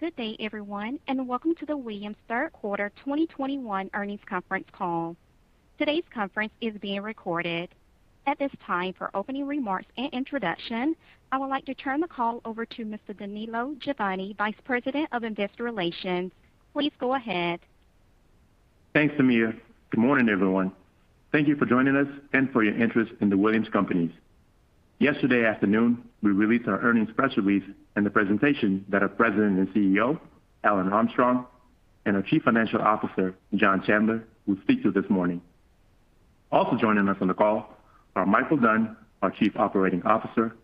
Good day everyone, and welcome to the Williams Q3 2021 earnings conference call. Today's conference is being recorded. At this time, for opening remarks and introduction, I would like to turn the call over to Mr. Danilo Juvane, Vice President of Investor Relations. Please go ahead. Thanks, Amir. Good morning, everyone. Thank you for joining us and for your interest in The Williams Companies. Yesterday afternoon, we released our earnings press release and the presentation that our President and CEO, Alan Armstrong, and our Chief Financial Officer, John Chandler, will speak to this morning. Also joining us on the call are Micheal Dunn, our Chief Operating Officer,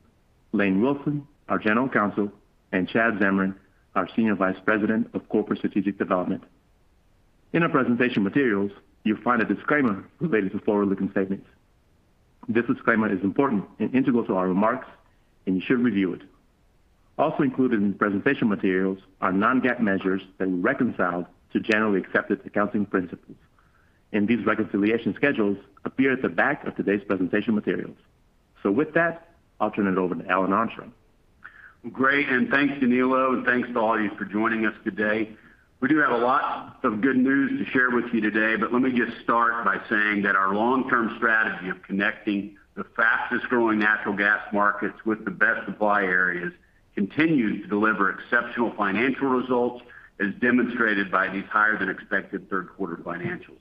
Lane Wilson, our General Counsel, and Chad Zamarin, our Senior Vice President of Corporate Strategic Development. In our presentation materials, you'll find a disclaimer related to forward-looking statements. This disclaimer is important and integral to our remarks, and you should review it. Also included in the presentation materials are non-GAAP measures that we reconciled to generally accepted accounting principles, and these reconciliation schedules appear at the back of today's presentation materials. With that, I'll turn it over to Alan Armstrong. Great, thanks, Danilo, and thanks to all of you for joining us today. We do have a lot of good news to share with you today, but let me just start by saying that our long-term strategy of connecting the fastest-growing natural gas markets with the best supply areas continues to deliver exceptional financial results, as demonstrated by these higher-than-expected Q3 financials.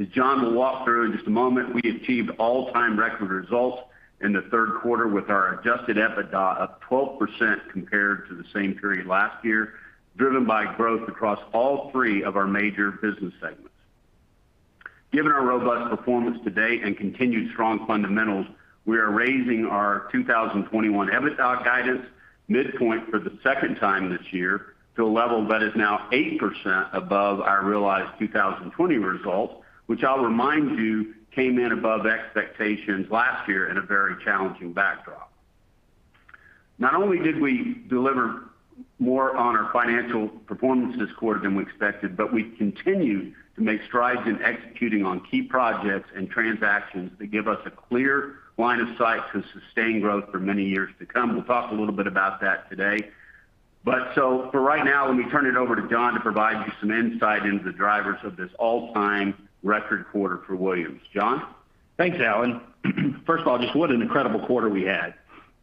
As John will walk through in just a moment, we achieved all-time record results in the Q3 with our adjusted EBITDA up 12% compared to the same period last year, driven by growth across all three of our major business segments. Given our robust performance-to-date and continued strong fundamentals, we are raising our 2021 EBITDA guidance midpoint for the second time this year to a level that is now 8% above our realized 2020 results, which I'll remind you came in above expectations last year in a very challenging backdrop. Not only did we deliver more on our financial performance this quarter than we expected, but we continued to make strides in executing on key projects and transactions that give us a clear line of sight to sustain growth for many years to come. We'll talk a little bit about that today. For right now, let me turn it over to John to provide you some insight into the drivers of this all-time record quarter for Williams. John? Thanks, Alan. First of all, just what an incredible quarter we had.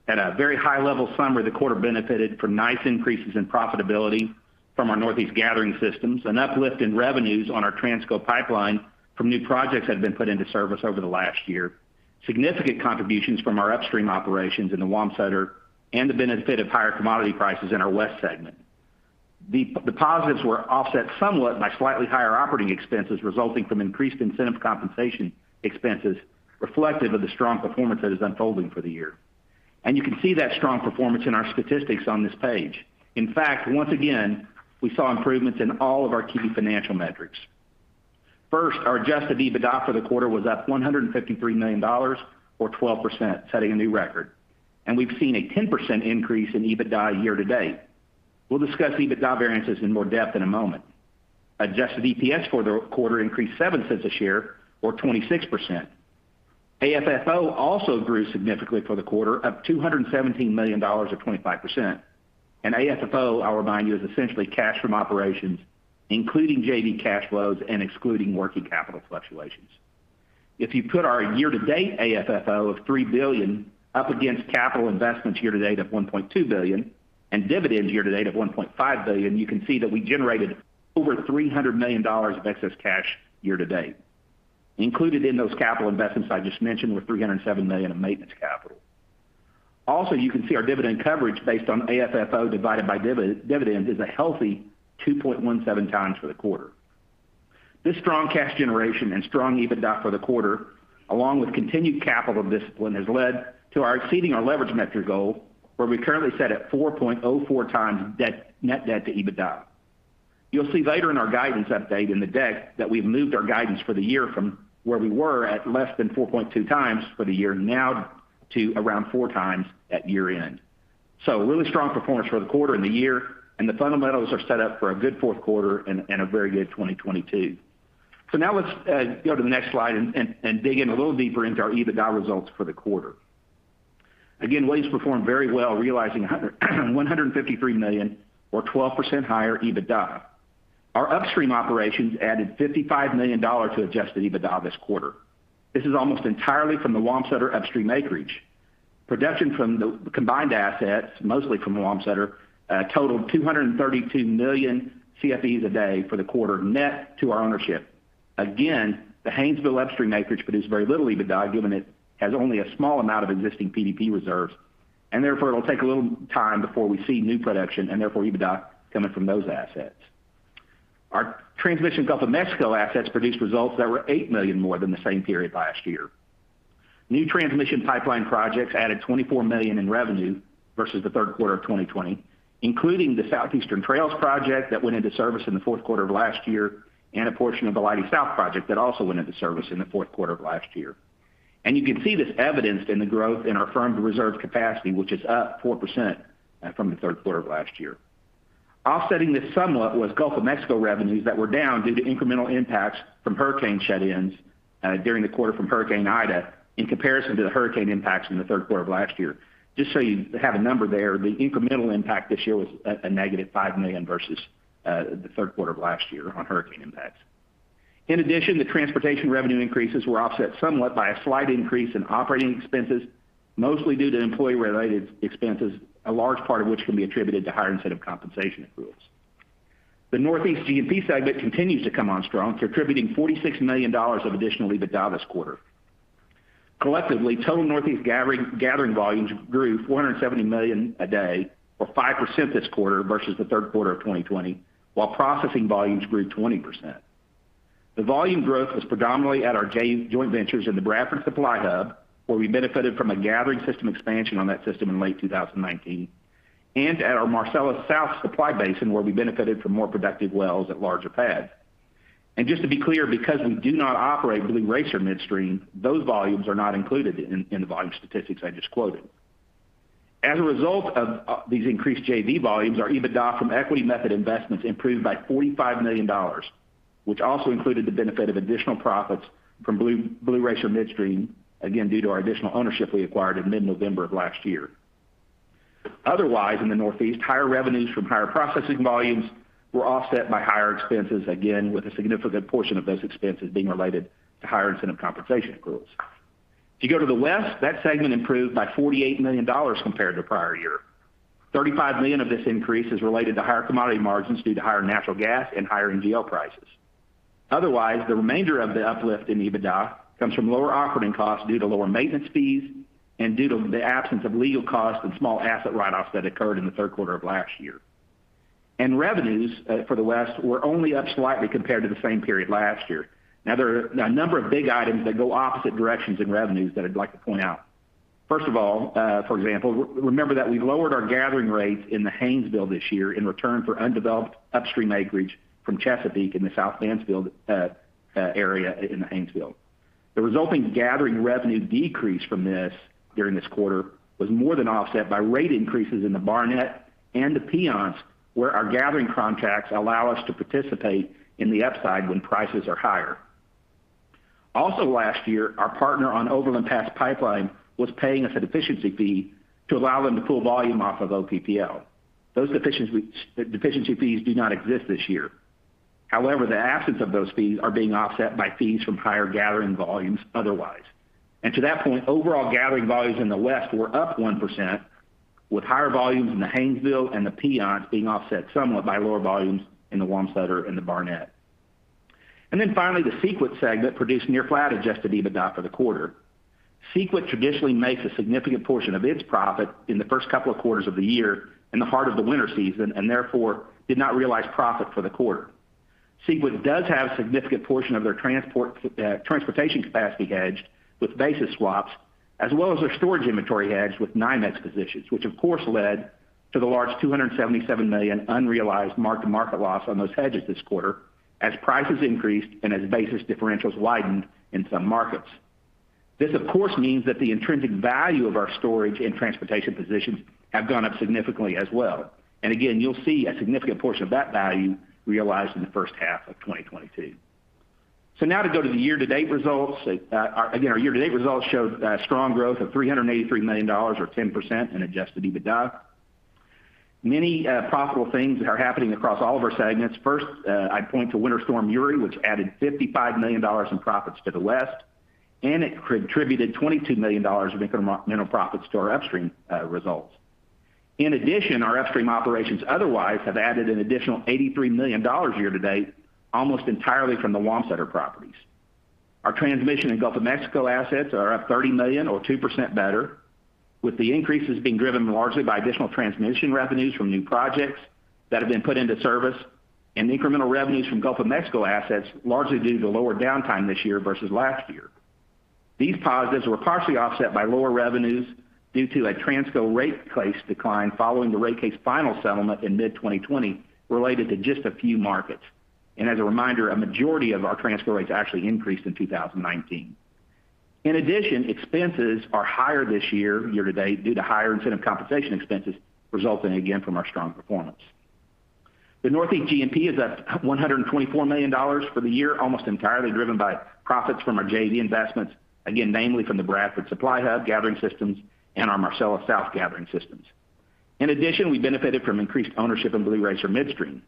At a very high-level summary, the quarter benefited from nice increases in profitability from our Northeast Gathering Systems, an uplift in revenues on our Transco pipeline from new projects that have been put into service over the last year, significant contributions from our upstream operations in the Wamsutter, and the benefit of higher commodity prices in our West segment. The positives were offset somewhat by slightly higher operating expenses resulting from increased incentive compensation expenses reflective of the strong performance that is unfolding for the year. You can see that strong performance in our statistics on this page. In fact, once again, we saw improvements in all of our key financial metrics. First, our adjusted EBITDA for the quarter was up $153 million or 12%, setting a new record. We've seen a 10% increase in EBITDA year-to-date. We'll discuss EBITDA variances in more depth in a moment. Adjusted EPS for the quarter increased $0.07 a share or 26%. AFFO also grew significantly for the quarter of $217 million or 25%. AFFO, I'll remind you, is essentially cash from operations, including JV cash flows and excluding working capital fluctuations. If you put our year-to-date AFFO of $3 billion up against capital investments year-to-date of $1.2 billion and dividends year-to-date of $1.5 billion, you can see that we generated over $300 million of excess cash year-to-date. Included in those capital investments I just mentioned were $307 million of maintenance capital. Also, you can see our dividend coverage based on AFFO divided by dividend is a healthy 2.17x for the quarter. This strong cash generation and strong EBITDA for the quarter, along with continued capital discipline, has led to our exceeding our leverage metric goal, where we currently sit at 4.04x net debt to EBITDA. You'll see later in our guidance update in the deck that we've moved our guidance for the year from where we were at less than 4.2x for the year now to around 4x at year-end. Really strong performance for the quarter and the year, and the fundamentals are set up for a good Q4 and a very good 2022. Now let's go to the next slide and dig in a little deeper into our EBITDA results for the quarter. Again, Williams performed very well, realizing $153 million or 12% higher EBITDA. Our upstream operations added $55 million to adjusted EBITDA this quarter. This is almost entirely from the Wamsutter Upstream acreage. Production from the combined assets, mostly from Wamsutter, totaled 232 million Mcfe a day for the quarter net to our ownership. Again, the Haynesville Upstream acreage produced very little EBITDA, given it has only a small amount of existing PDP reserves, and therefore, it'll take a little time before we see new production, and therefore, EBITDA coming from those assets. Our transmission Gulf of Mexico assets produced results that were $8 million more than the same period last year. New transmission pipeline projects added $24 million in revenue versus the Q3 of 2020, including the Southeastern Trail project that went into service in the Q4 of last year and a portion of the Leidy South project that also went into service in the Q4 of last year. You can see this evidenced in the growth in our firm reserved capacity, which is up 4% from the Q3 of last year. Offsetting this somewhat was Gulf of Mexico revenues that were down due to incremental impacts from hurricane shut-ins during the quarter from Hurricane Ida in comparison to the hurricane impacts in the Q3 of last year. Just so you have a number there, the incremental impact this year was a negative $5 million versus the Q3 of last year on hurricane impacts. In addition, the transportation revenue increases were offset somewhat by a slight increase in operating expenses, mostly due to employee-related expenses, a large part of which can be attributed to higher incentive compensation accruals. The Northeast G&P segment continues to come on strong, contributing $46 million of additional EBITDA this quarter. Collectively, total Northeast gathering volumes grew 470 million a day or 5% this quarter versus the Q3 of 2020, while processing volumes grew 20%. The volume growth was predominantly at our joint ventures in the Bradford Supply Hub, where we benefited from a gathering system expansion on that system in late 2019, and at our Marcellus South Supply Basin, where we benefited from more productive wells at larger pads. Just to be clear, because we do not operate Blue Racer Midstream, those volumes are not included in the volume statistics I just quoted. As a result of these increased JV volumes, our EBITDA from equity method investments improved by $45 million, which also included the benefit of additional profits from Blue Racer Midstream, again, due to our additional ownership we acquired in mid-November of last year. Otherwise, in the Northeast, higher revenues from higher processing volumes were offset by higher expenses, again, with a significant portion of those expenses being related to higher incentive compensation accruals. If you go to the West, that segment improved by $48 million compared to prior year. $35 million of this increase is related to higher commodity margins due to higher natural gas and higher NGL prices. Otherwise, the remainder of the uplift in EBITDA comes from lower operating costs due to lower maintenance fees and due to the absence of legal costs and small asset write-offs that occurred in the Q3 of last year. Revenues for the West were only up slightly compared to the same period last year. Now, there are a number of big items that go opposite directions in revenues that I'd like to point out. First of all, for example, remember that we lowered our gathering rates in the Haynesville this year in return for undeveloped upstream acreage from Chesapeake in the South Mansfield area in the Haynesville. The resulting gathering revenue decrease from this during this quarter was more than offset by rate increases in the Barnett and the Piceance, where our gathering contracts allow us to participate in the upside when prices are higher. Also last year, our partner on Overland Pass Pipeline was paying us a deficiency fee to allow them to pull volume off of OPPL. Those deficiency fees do not exist this year. However, the absence of those fees are being offset by fees from higher gathering volumes otherwise. To that point, overall gathering volumes in the West were up 1%, with higher volumes in the Haynesville and the Piceance being offset somewhat by lower volumes in the Wamsutter and the Barnett. Then finally, the Sequent segment produced near flat adjusted EBITDA for the quarter. Sequent traditionally makes a significant portion of its profit in the first couple of quarters of the year in the heart of the winter season, and therefore did not realize profit for the quarter. Sequent does have a significant portion of their transportation capacity hedged with basis swaps, as well as their storage inventory hedged with nine-month positions, which of course led to the large $277 million unrealized mark-to-market loss on those hedges this quarter as prices increased and as basis differentials widened in some markets. This of course means that the intrinsic value of our storage and transportation positions have gone up significantly as well. You'll see a significant portion of that value realized in the first half of 2022. Now to go to the year-to-date results. Our year-to-date results showed strong growth of $383 million or 10% in adjusted EBITDA. Many profitable things are happening across all of our segments. First, I point to Winter Storm Uri, which added $55 million in profits to the West, and it contributed $22 million of incremental profits to our upstream results. In addition, our upstream operations otherwise have added an additional $83 million year to date, almost entirely from the Wamsutter properties. Our transmission and Gulf of Mexico assets are up $30 million or 2% better, with the increases being driven largely by additional transmission revenues from new projects that have been put into service and incremental revenues from Gulf of Mexico assets, largely due to lower downtime this year versus last year. These positives were partially offset by lower revenues due to a Transco rate case decline following the rate case final settlement in mid-2020 related to just a few markets. As a reminder, a majority of our Transco rates actually increased in 2019. In addition, expenses are higher this year-to-date, due to higher incentive compensation expenses resulting again from our strong performance. The Northeast G&P is up $124 million for the year, almost entirely driven by profits from our JV investments, again, namely from the Bradford Supply Hub gathering systems and our Marcellus South gathering systems. In addition, we benefited from increased ownership in Blue Racer Midstream.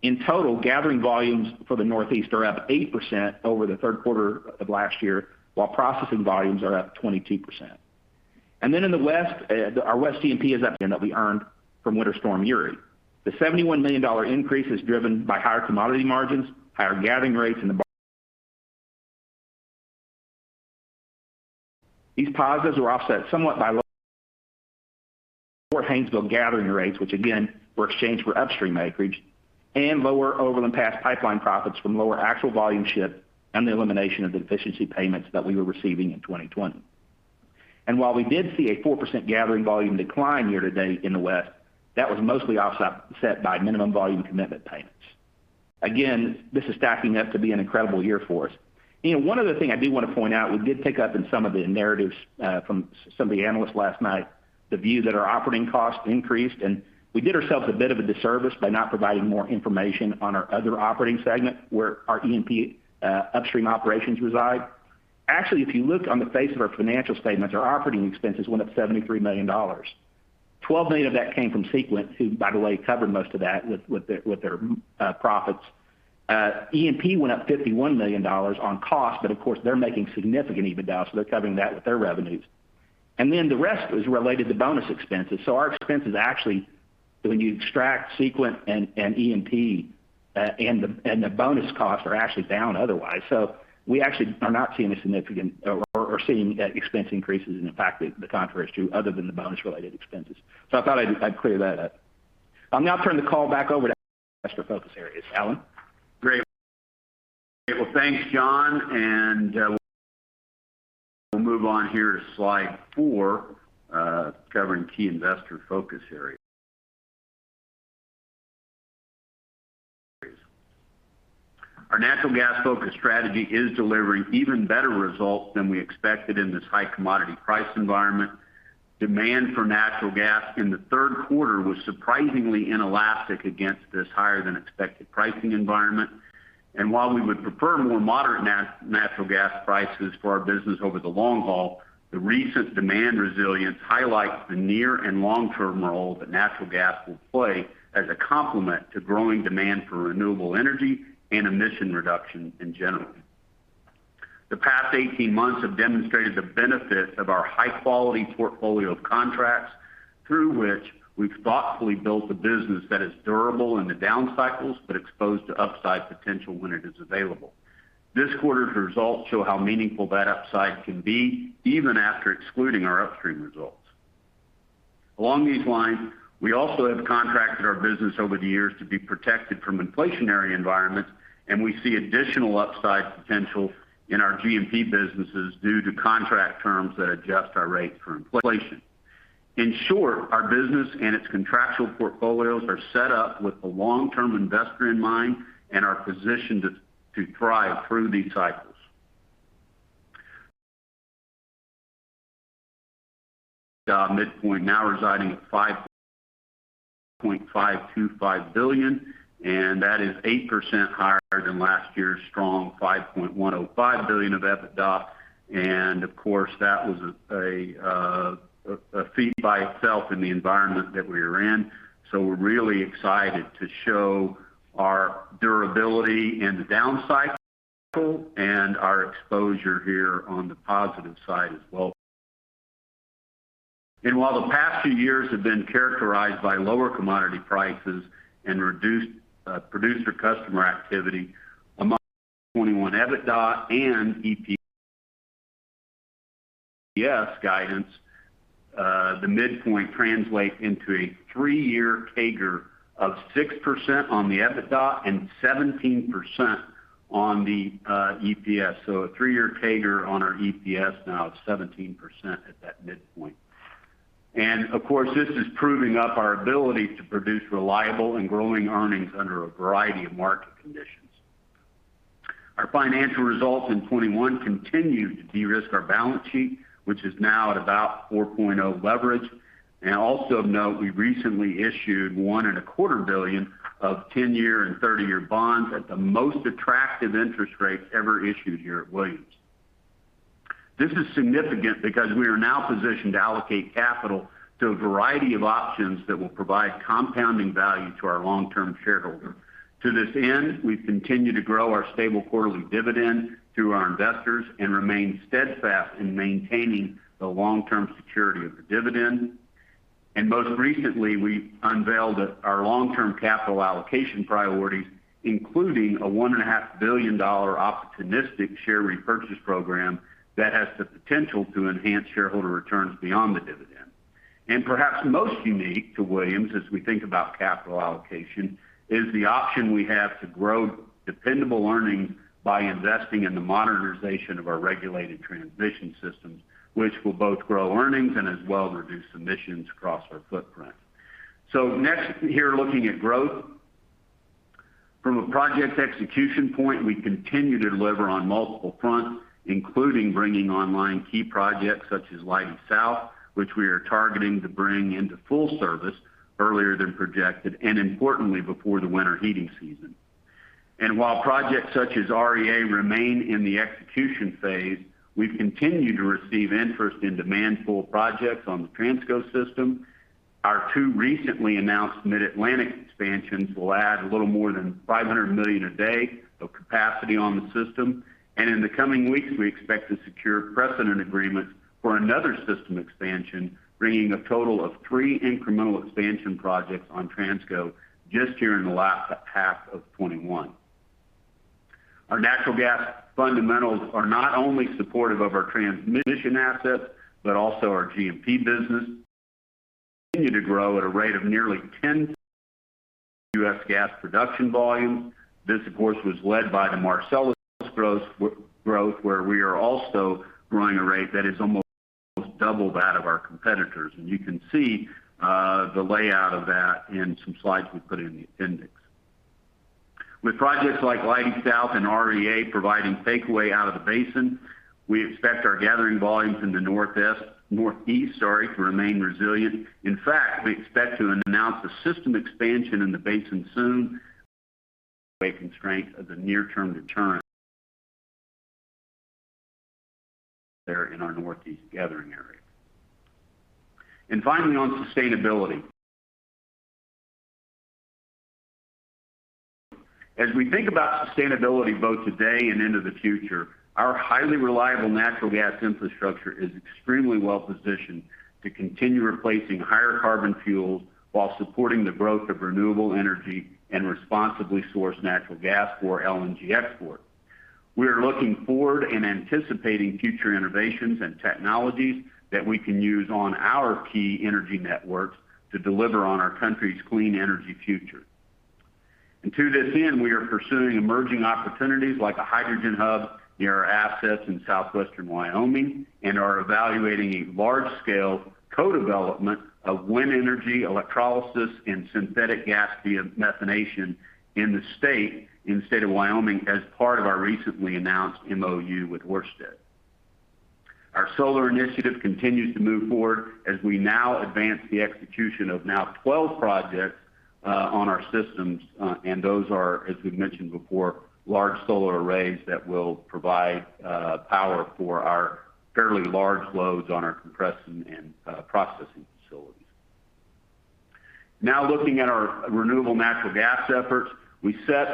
In total, gathering volumes for the Northeast are up 8% over the Q3 of last year, while processing volumes are up 22%. Then in the West, our West G&P is up, that we earned from Winter Storm Uri. The $71 million increase is driven by higher commodity margins, higher gathering rates. These positives were offset somewhat by lower Haynesville gathering rates, which again were exchanged for upstream acreage and lower Overland Pass Pipeline profits from lower actual volumes shipped and the elimination of the deficiency payments that we were receiving in 2020. While we did see a 4% gathering volume decline year-to-date in the West, that was mostly offset by minimum volume commitment payments. Again, this is stacking up to be an incredible year for us. You know, one other thing I do want to point out, we did pick up in some of the narratives from some of the analysts last night the view that our operating costs increased, and we did ourselves a bit of a disservice by not providing more information on our other operating segment, where our E&P upstream operations reside. Actually, if you look on the face of our financial statements, our operating expenses went up $73 million. 12 million of that came from Sequent, who, by the way, covered most of that with their profits. E&P went up $51 million on cost, but of course, they're making significant EBITDA, so they're covering that with their revenues. The rest was related to bonus expenses. Our expenses actually, when you extract Sequent and E&P and the bonus costs are actually down otherwise. We actually are not seeing a significant expense increases. In fact, the contrary is true other than the bonus-related expenses. I thought I'd clear that up. I'll now turn the call back over to investor focus areas. Alan? Great. Well, thanks, John, and we'll move on here to slide 4, covering key investor focus areas. Our natural gas focus strategy is delivering even better results than we expected in this high commodity price environment. Demand for natural gas in the Q3 was surprisingly inelastic against this higher than expected pricing environment. While we would prefer more moderate natural gas prices for our business over the long haul, the recent demand resilience highlights the near and long-term role that natural gas will play as a complement to growing demand for renewable energy and emission reduction in general. The past 18 months have demonstrated the benefits of our high-quality portfolio of contracts through which we've thoughtfully built a business that is durable in the down cycles, but exposed to upside potential when it is available. This quarter's results show how meaningful that upside can be even after excluding our upstream results. Along these lines, we also have contracted our business over the years to be protected from inflationary environments, and we see additional upside potential in our G&P businesses due to contract terms that adjust our rates for inflation. In short, our business and its contractual portfolios are set up with the long-term investor in mind and are positioned to thrive through these cycles. Midpoint now residing at $5.525 billion, and that is 8% higher than last year's strong $5.105 billion of EBITDA. Of course, that was a feat by itself in the environment that we are in. We're really excited to show our durability in the down cycle and our exposure here on the positive side as well. While the past few years have been characterized by lower commodity prices and reduced producer customer activity, among 2021 EBITDA and EPS guidance, the midpoint translates into a three-year CAGR of 6% on the EBITDA and 17% on the EPS. A three-year CAGR on our EPS now is 17% at that midpoint. Of course, this is proving up our ability to produce reliable and growing earnings under a variety of market conditions. Our financial results in 2021 continue to de-risk our balance sheet, which is now at about 4.0 leverage. Also of note, we recently issued $1.25 billion of 10-year and 30-year bonds at the most attractive interest rates ever issued here at Williams. This is significant because we are now positioned to allocate capital to a variety of options that will provide compounding value to our long-term shareholder. To this end, we've continued to grow our stable quarterly dividend through our investors and remain steadfast in maintaining the long-term security of the dividend. Most recently, we unveiled our long-term capital allocation priorities, including a $1.5 billion opportunistic share repurchase program that has the potential to enhance shareholder returns beyond the dividend. Perhaps most unique to Williams, as we think about capital allocation, is the option we have to grow dependable earnings by investing in the modernization of our regulated transmission systems, which will both grow earnings and as well reduce emissions across our footprint. Next here, looking at growth. From a project execution point, we continue to deliver on multiple fronts, including bringing online key projects such as Leidy South, which we are targeting to bring into full service earlier than projected, and importantly, before the winter heating season. While projects such as Regional Energy Access remain in the execution phase, we've continued to receive interest and demand for projects on the Transco system. Our two recently announced Mid-Atlantic expansions will add a little more than 500 million a day of capacity on the system. In the coming weeks, we expect to secure precedent agreements for another system expansion, bringing a total of three incremental expansion projects on Transco just here in the last half of 2021. Our natural gas fundamentals are not only supportive of our transmission assets, but also our G&P business continue to grow at a rate of nearly 10% U.S. gas production volume. This, of course, was led by the Marcellus growth, where we are also growing at a rate that is almost double that of our competitors. You can see the layout of that in some slides we put in the appendix. With projects like Leidy South and REA providing takeaway out of the basin, we expect our gathering volumes in the Northeast to remain resilient. In fact, we expect to announce a system expansion in the basin soon. No constraint in the near-term is a deterrent there in our Northeast gathering area. Finally, on sustainability, as we think about sustainability both today and into the future, our highly reliable natural gas infrastructure is extremely well-positioned to continue replacing higher carbon fuels while supporting the growth of renewable energy and responsibly sourced natural gas for LNG export. We are looking forward and anticipating future innovations and technologies that we can use on our key energy networks to deliver on our country's clean energy future. To this end, we are pursuing emerging opportunities like a hydrogen hub near our assets in southwestern Wyoming, and are evaluating a large-scale co-development of wind energy, electrolysis, and synthetic gas via methanation in the state of Wyoming as part of our recently announced MoU with Ørsted. Our solar initiative continues to move forward as we now advance the execution of now 12 projects on our systems, and those are, as we've mentioned before, large solar arrays that will provide power for our fairly large loads on our compression and processing facilities. Now, looking at our renewable natural gas efforts. We set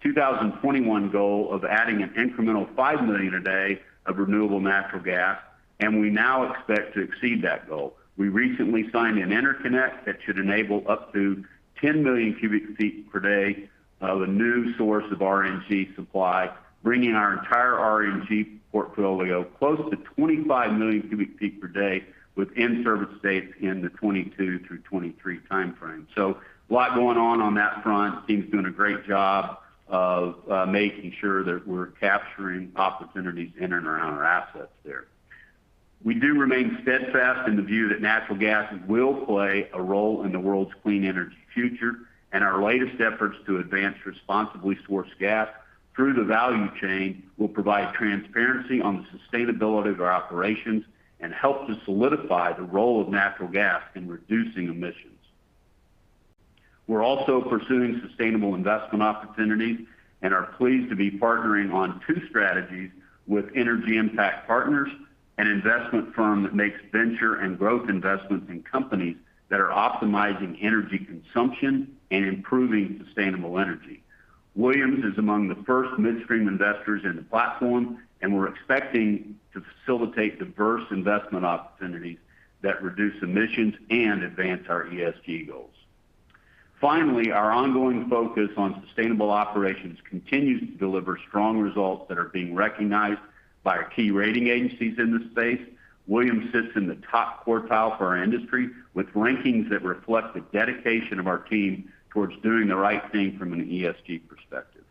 a 2021 goal of adding an incremental 5 million a day of renewable natural gas, and we now expect to exceed that goal. We recently signed an interconnect that should enable up to 10 million cu ft per day of a new source of RNG supply, bringing our entire RNG portfolio close to 25 million cu ft per day with in-service dates in the 2022 through 2023 time frame. A lot going on on that front. Team's doing a great job of making sure that we're capturing opportunities in and around our assets there. We do remain steadfast in the view that natural gas will play a role in the world's clean energy future, and our latest efforts to advance responsibly sourced gas through the value chain will provide transparency on the sustainability of our operations and help to solidify the role of natural gas in reducing emissions. We're also pursuing sustainable investment opportunities and are pleased to be partnering on two strategies with Energy Impact Partners, an investment firm that makes venture and growth investments in companies that are optimizing energy consumption and improving sustainable energy. Williams is among the first midstream investors in the platform, and we're expecting to facilitate diverse investment opportunities that reduce emissions and advance our ESG goals. Finally, our ongoing focus on sustainable operations continues to deliver strong results that are being recognized by our key rating agencies in this space. Williams sits in the top quartile for our industry, with rankings that reflect the dedication of our team toward doing the right thing from an ESG perspective.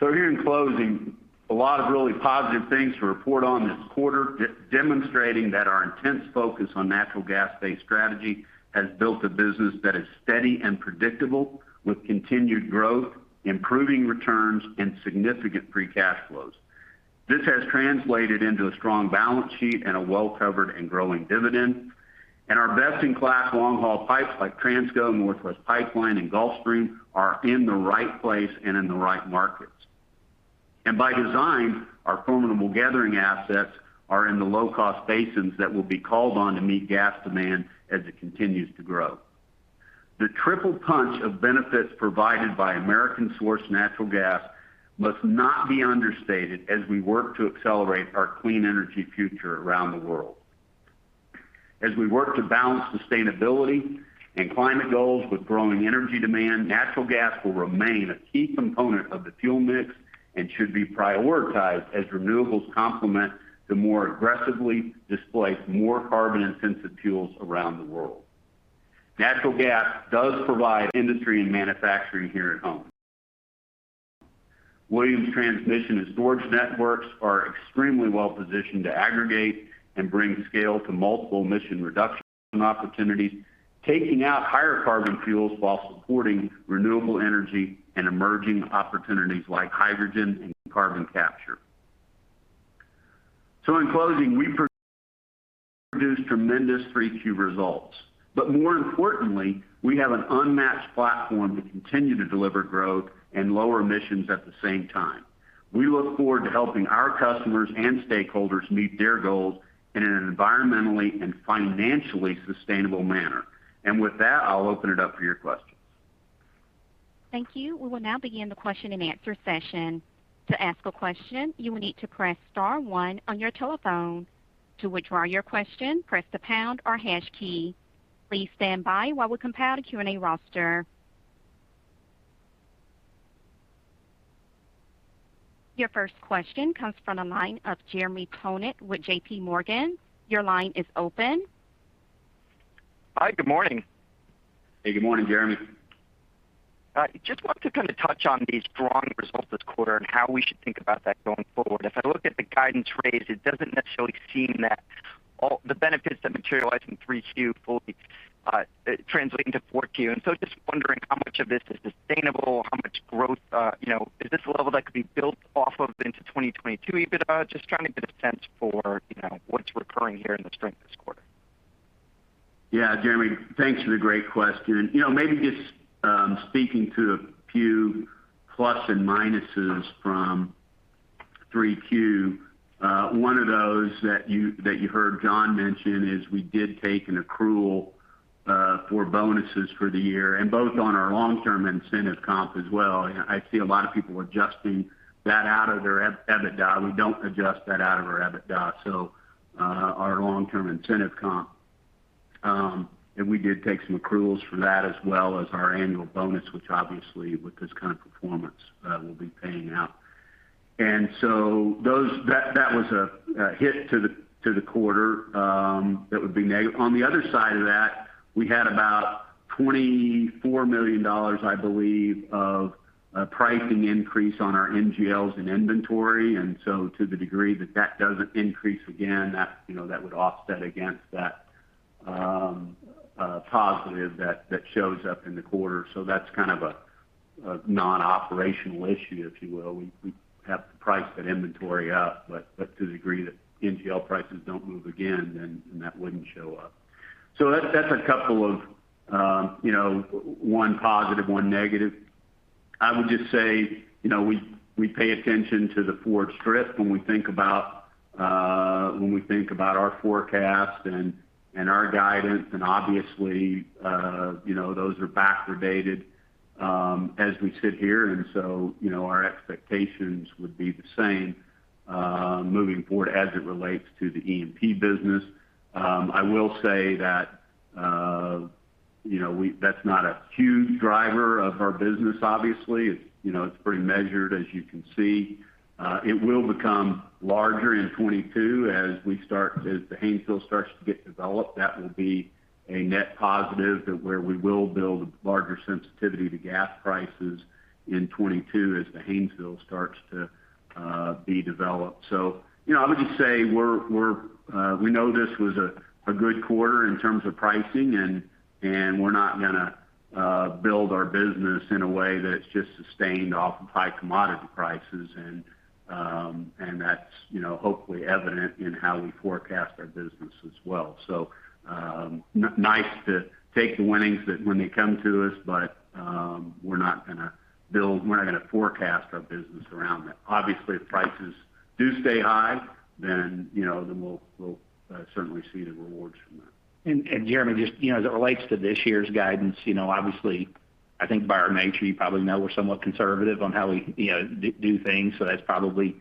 Here in closing, a lot of really positive things to report on this quarter, demonstrating that our intense focus on natural gas-based strategy has built a business that is steady and predictable, with continued growth, improving returns, and significant free cash flows. This has translated into a strong balance sheet and a well-covered and growing dividend. Our best-in-class long-haul pipes like Transco, Northwest Pipeline, and Gulfstream are in the right place and in the right markets. By design, our formidable gathering assets are in the low-cost basins that will be called on to meet gas demand as it continues to grow. The triple punch of benefits provided by American-sourced natural gas must not be understated as we work to accelerate our clean energy future around the world. As we work to balance sustainability and climate goals with growing energy demand, natural gas will remain a key component of the fuel mix and should be prioritized as renewables complement to more aggressively displace more carbon-intensive fuels around the world. Natural gas does provide industry and manufacturing here at home. Williams transmission and storage networks are extremely well positioned to aggregate and bring scale to multiple emission reduction opportunities, taking out higher carbon fuels while supporting renewable energy and emerging opportunities like hydrogen and carbon capture. In closing, we produced tremendous Q3 results. More importantly, we have an unmatched platform to continue to deliver growth and lower emissions at the same time. We look forward to helping our customers and stakeholders meet their goals in an environmentally and financially sustainable manner. With that, I'll open it up for your questions. Thank you. We will now begin the question-and-answer session. To ask a question, you will need to press star one on your telephone. To withdraw your question, press the pound or hash key. Please stand by while we compile the Q&A roster. Your first question comes from the line of Jeremy Tonet with JPMorgan. Your line is open. Hi, good morning. Hey, good morning, Jeremy. I just want to kind of touch on the strong results this quarter and how we should think about that going forward. If I look at the guidance raise, it doesn't necessarily seem that all the benefits that materialize in Q3 fully translate into Q4. Just wondering how much of this is sustainable, how much growth, you know. Is this a level that could be built off of into 2022 EBITDA? Just trying to get a sense for, you know, what's recurring here in the strength this quarter. Yeah, Jeremy, thanks for the great question. You know maybe just speaking to a few pluses and minuses from Q3, one of those that you heard John mention is we did take an accrual for bonuses for the year and both on our long-term incentive comp as well. I see a lot of people adjusting that out of their adjusted EBITDA. We don't adjust that out of our EBITDA. Our long-term incentive comp and we did take some accruals for that as well as our annual bonus, which obviously with this kind of performance, we'll be paying out. That was a hit to the quarter that would be negative. On the other side of that, we had about $24 million, I believe, of a pricing increase on our NGLs and inventory. To the degree that that doesn't increase again, that you know that would offset against that positive that shows up in the quarter. That's kind of a non-operational issue, if you will. We have to price that inventory up. To the degree that NGL prices don't move again, then that wouldn't show up. That's a couple of, you know, one positive, one negative. I would just say, you know, we pay attention to the forward strip when we think about our forecast and our guidance. Obviously, you know, those are backward dated as we sit here. You know, our expectations would be the same moving forward as it relates to the E&P business. I will say that, you know, that's not a huge driver of our business, obviously. You know, it's pretty measured as you can see. It will become larger in 2022 as the Haynesville starts to get developed, that will be a net positive to where we will build larger sensitivity to gas prices in 2022 as the Haynesville starts to be developed. So, you know, I would just say we're. We know this was a good quarter in terms of pricing and we're not gonna build our business in a way that's just sustained off of high commodity prices. That's, you know, hopefully evident in how we forecast our business as well. Nice to take the winnings when they come to us, but we're not gonna forecast our business around that. Obviously, if prices do stay high, then you know we'll certainly see the rewards from that. Jeremy, just, you know, as it relates to this year's guidance, you know, obviously, I think by our nature, you probably know we're somewhat conservative on how we, you know, do things. That's probably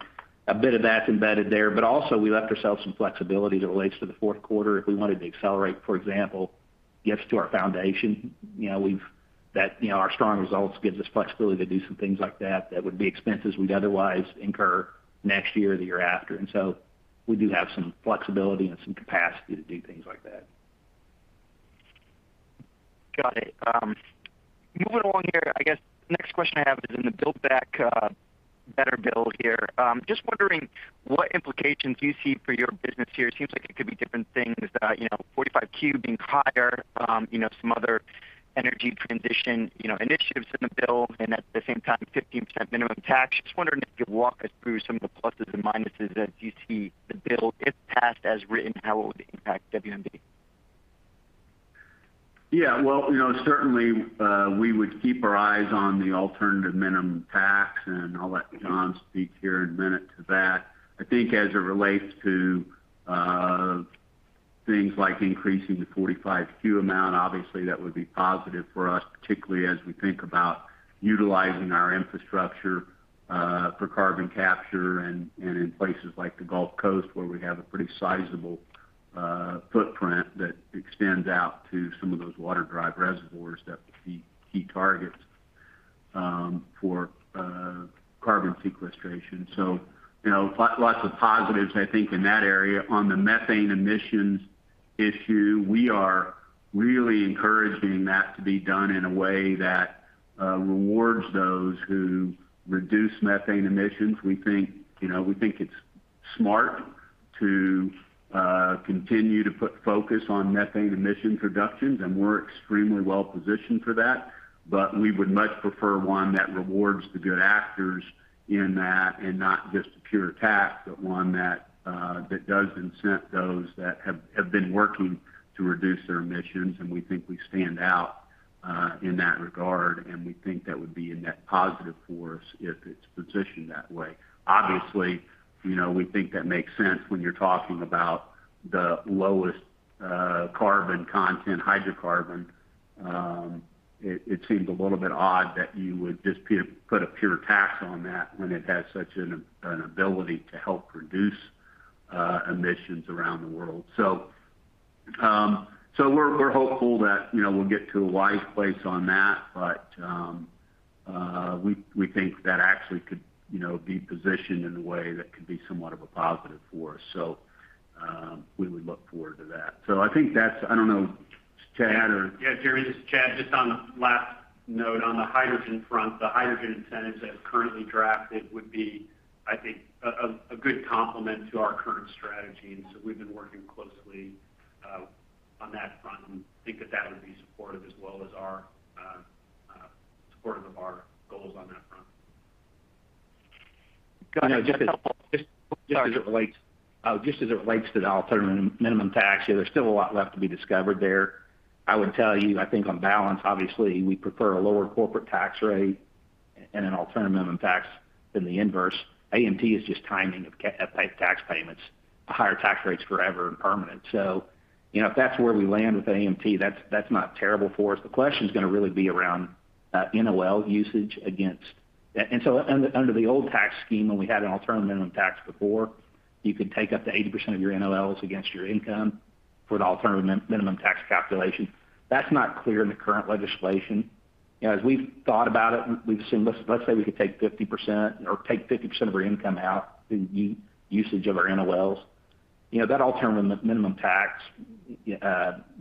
a bit of that's embedded there. Also we left ourselves some flexibility that relates to the Q4. If we wanted to accelerate, for example, gifts to our foundation, you know, our strong results gives us flexibility to do some things like that would be expenses we'd otherwise incur next year or the year after. We do have some flexibility and some capacity to do things like that. Got it. Moving along here, I guess the next question I have is in the Build Back Better Act here. Just wondering what implications you see for your business here. It seems like it could be different things, you know, 45Q being higher, you know, some other energy transition, you know, initiatives in the bill and at the same time, 15% minimum tax. Just wondering if you could walk us through some of the pluses and minuses that you see in the bill, if passed as written, how it would impact WMB. Yeah. Well, you know, certainly, we would keep our eyes on the alternative minimum tax, and I'll let John speak here in a minute to that. I think as it relates to things like increasing the 45Q amount, obviously that would be positive for us, particularly as we think about utilizing our infrastructure for carbon capture and in places like the Gulf Coast where we have a pretty sizable footprint that extends out to some of those water drive reservoirs that would be key targets for carbon sequestration. So, you know, lots of positives, I think, in that area. On the methane emissions issue, we are really encouraging that to be done in a way that rewards those who reduce methane emissions. We think, you know, we think it's smart to continue to put focus on methane emission reductions, and we're extremely well positioned for that. But we would much prefer one that rewards the good actors in that and not just a pure tax, but one that does incent those that have been working to reduce their emissions. We think we stand out in that regard, and we think that would be a net positive for us if it's positioned that way. Obviously, you know, we think that makes sense when you're talking about the lowest carbon content hydrocarbon. It seems a little bit odd that you would just put a pure tax on that when it has such an ability to help reduce emissions around the world. We're hopeful that, you know, we'll get to a wise place on that. We think that actually could, you know, be positioned in a way that could be somewhat of a positive for us. We would look forward to that. I think that's, I don't know, Chad or- Yeah, Jeremy, this is Chad. Just on the last note on the hydrogen front, the hydrogen incentives as currently drafted would be, I think, a good complement to our current strategy. We've been working closely on that front and think that would be supportive as well as supportive of our goals on that front. You know, just as it relates. Just as it relates to the alternative minimum tax, yeah, there's still a lot left to be discovered there. I would tell you, I think on balance, obviously, we prefer a lower corporate tax rate and an alternative minimum tax than the inverse. AMT is just timing of cash tax payments, higher tax rates forever and permanent. You know, if that's where we land with AMT, that's not terrible for us. The question is gonna really be around NOL usage against. Under the old tax scheme when we had an alternative minimum tax before, you could take up to 80% of your NOLs against your income for the alternative minimum tax calculation. That's not clear in the current legislation. You know, as we've thought about it, we've assumed, let's say we could take 50% or take 50% of our income out through usage of our NOL\s. You know, that alternative minimum tax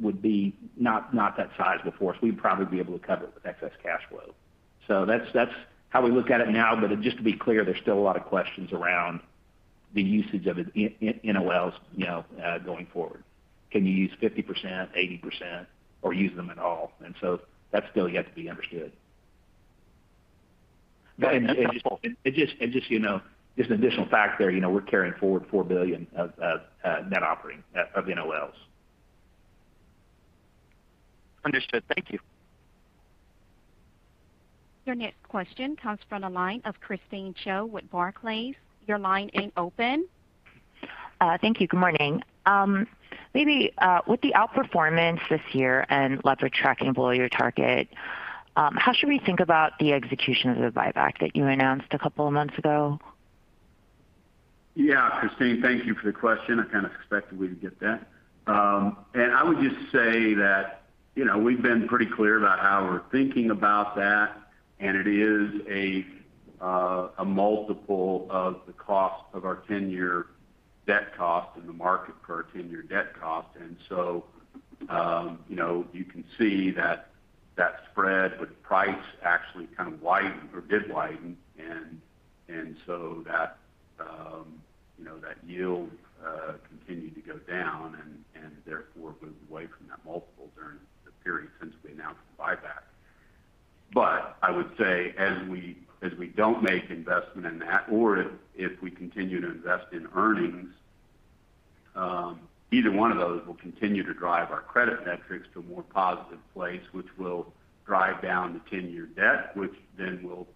would be not that sizable for us. We'd probably be able to cover it with excess cash flow. So that's how we look at it now. But just to be clear, there's still a lot of questions around the usage of it—NOLs, you know, going forward. Can you use 50%, 80%, or use them at all? That's still yet to be understood. Got it. Thank you. And, and just- Sorry. -you know, just an additional fact there, you know, we're carrying forward $4 billion of net operating loss NOLs. Understood. Thank you. Your next question comes from the line of Christine Cho with Barclays. Your line is open. Thank you. Good morning. Maybe, with the outperformance this year and leverage tracking below your target, how should we think about the execution of the buyback that you announced a couple of months ago? Yeah, Christine, thank you for the question. I kind of expected we would get that. I would just say that, you know, we've been pretty clear about how we're thinking about that, and it is a multiple of the cost of our 10-year debt cost in the market for our ten-year debt cost. That yield continued to go down and therefore moved away from that multiple during the period since we announced the buyback. I would say as we don't make investment in that or if we continue to invest in earnings, either one of those will continue to drive our credit metrics to a more positive place, which will drive down the 10-year debt, which then would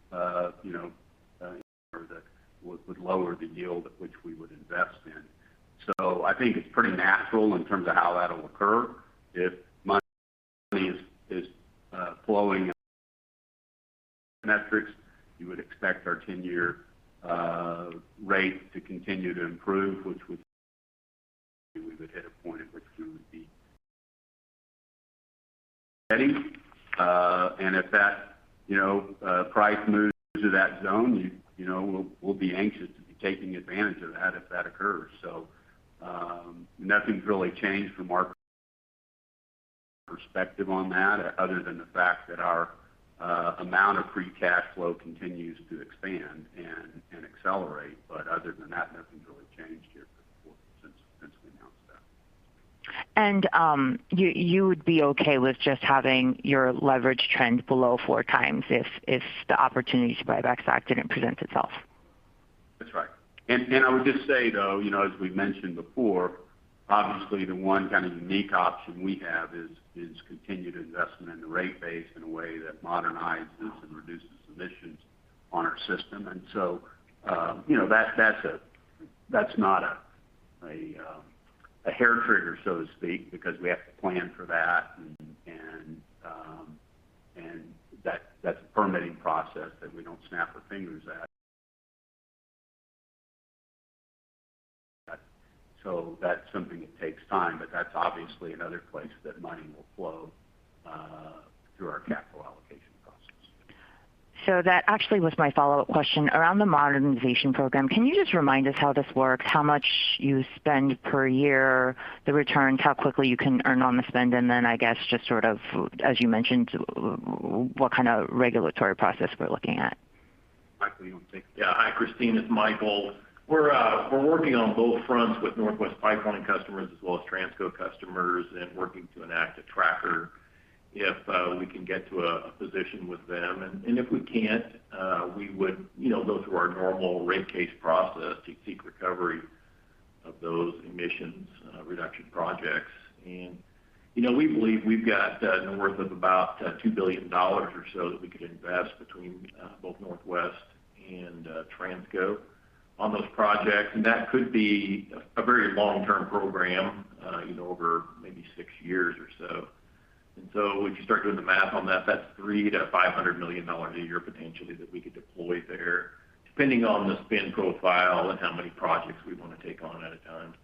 lower the yield at which we would invest in. I think it's pretty natural in terms of how that'll occur. If money is flowing metrics, you would expect our 10-year rate to continue to improve, which we would hit a point at which we would be steady. If that price moves to that zone, we'll be anxious to be taking advantage of that if that occurs. Nothing's really changed from our perspective on that other than the fact that our amount of free cash flow continues to expand and accelerate. But other than that, nothing's really changed here since we announced that. You would be okay with just having your leverage trend below four times if the opportunity to buyback stock didn't present itself? That's right. I would just say, though, you know, as we've mentioned before, obviously the one kind of unique option we have is continued investment in the rate base in a way that modernizes and reduces emissions on our system. You know, that's not a hair trigger, so to speak, because we have to plan for that. That's a permitting process that we don't snap our fingers at. That's something that takes time, but that's obviously another place that money will flow through our capital allocation process. That actually was my follow-up question. Around the modernization program, can you just remind us how this works, how much you spend per year, the returns, how quickly you can earn on the spend? And then I guess just sort of, as you mentioned, what kind of regulatory process we're looking at? Michael, you want to take that? Yeah. Hi, Christine. It's Micheal. We're working on both fronts with Northwest Pipeline customers as well as Transco customers and working to enact a tracker if we can get to a position with them. If we can't, we would, you know, go through our normal rate case process to seek recovery of those emissions reduction projects. We believe we've got north of about $2 billion or so that we could invest between both Northwest and Transco on those projects. That could be a very long-term program, you know, over maybe six years or so. If you start doing the math on that's $300 million-$500 million a year potentially that we could deploy there, depending on the spend profile and how many projects we wanna take on at a time.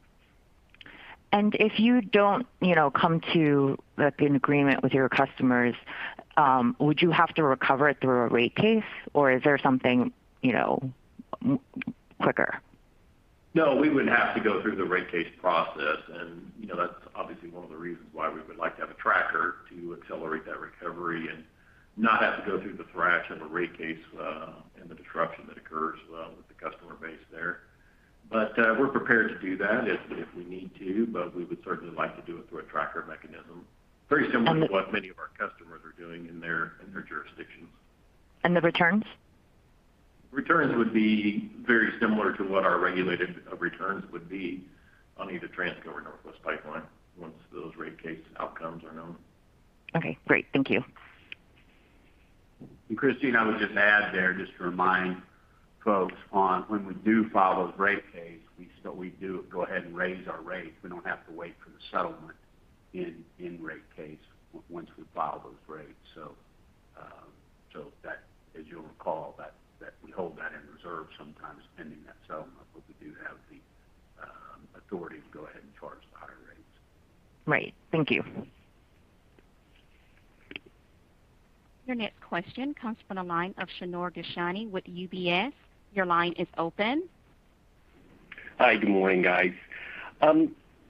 If you don't, you know, come to, like, an agreement with your customers, would you have to recover it through a rate case, or is there something, you know, quicker? No, we would have to go through the rate case process. You know, that's obviously one of the reasons why we would like to have a tracker to accelerate that recovery and not have to go through the thrash of a rate case, and the disruption that occurs with the customer base there. We're prepared to do that if we need to, but we would certainly like to do it through a tracker mechanism, very similar to what many of our customers are doing in their jurisdictions. The returns? Returns would be very similar to what our regulated returns would be on either Transco or Northwest Pipeline once those rate case outcomes are known. Okay, great. Thank you. Christine, I would just add there, just to remind folks on when we do file those rate case, we still do go ahead and raise our rates. We don't have to wait for the settlement in rate case once we file those rates. That, as you'll recall, we hold that in reserve sometimes pending that settlement, but we do have the authority to go ahead and charge the higher rates. Right. Thank you. Your next question comes from the line of Shneur Gershuni with UBS. Your line is open. Hi, good morning, guys.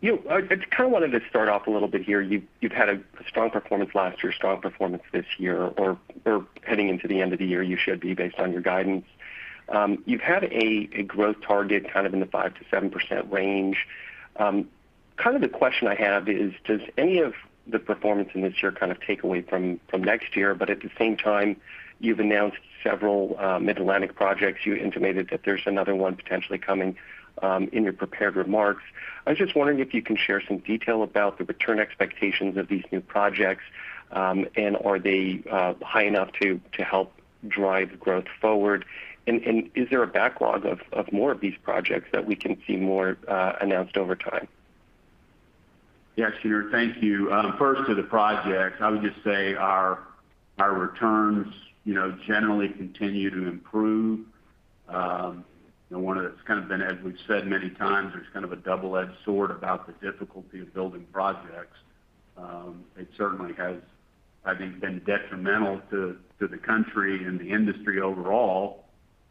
I kind of wanted to start off a little bit here. You've had a strong performance last year, strong performance this year, or heading into the end of the year, you should be based on your guidance. You've had a growth target kind of in the 5%-7% range. Kind of the question I have is, does any of the performance in this year kind of take away from next year? At the same time, you've announced several Mid-Atlantic projects. You intimated that there's another one potentially coming in your prepared remarks. I was just wondering if you can share some detail about the return expectations of these new projects, and are they high enough to help drive growth forward? Is there a backlog of more of these projects that we can see more announced over time? Yes, Shneur. Thank you. First to the projects, I would just say our returns, you know, generally continue to improve. You know, one that's kind of been, as we've said many times, there's kind of a double-edged sword about the difficulty of building projects. It certainly has, I think, been detrimental to the country and the industry overall,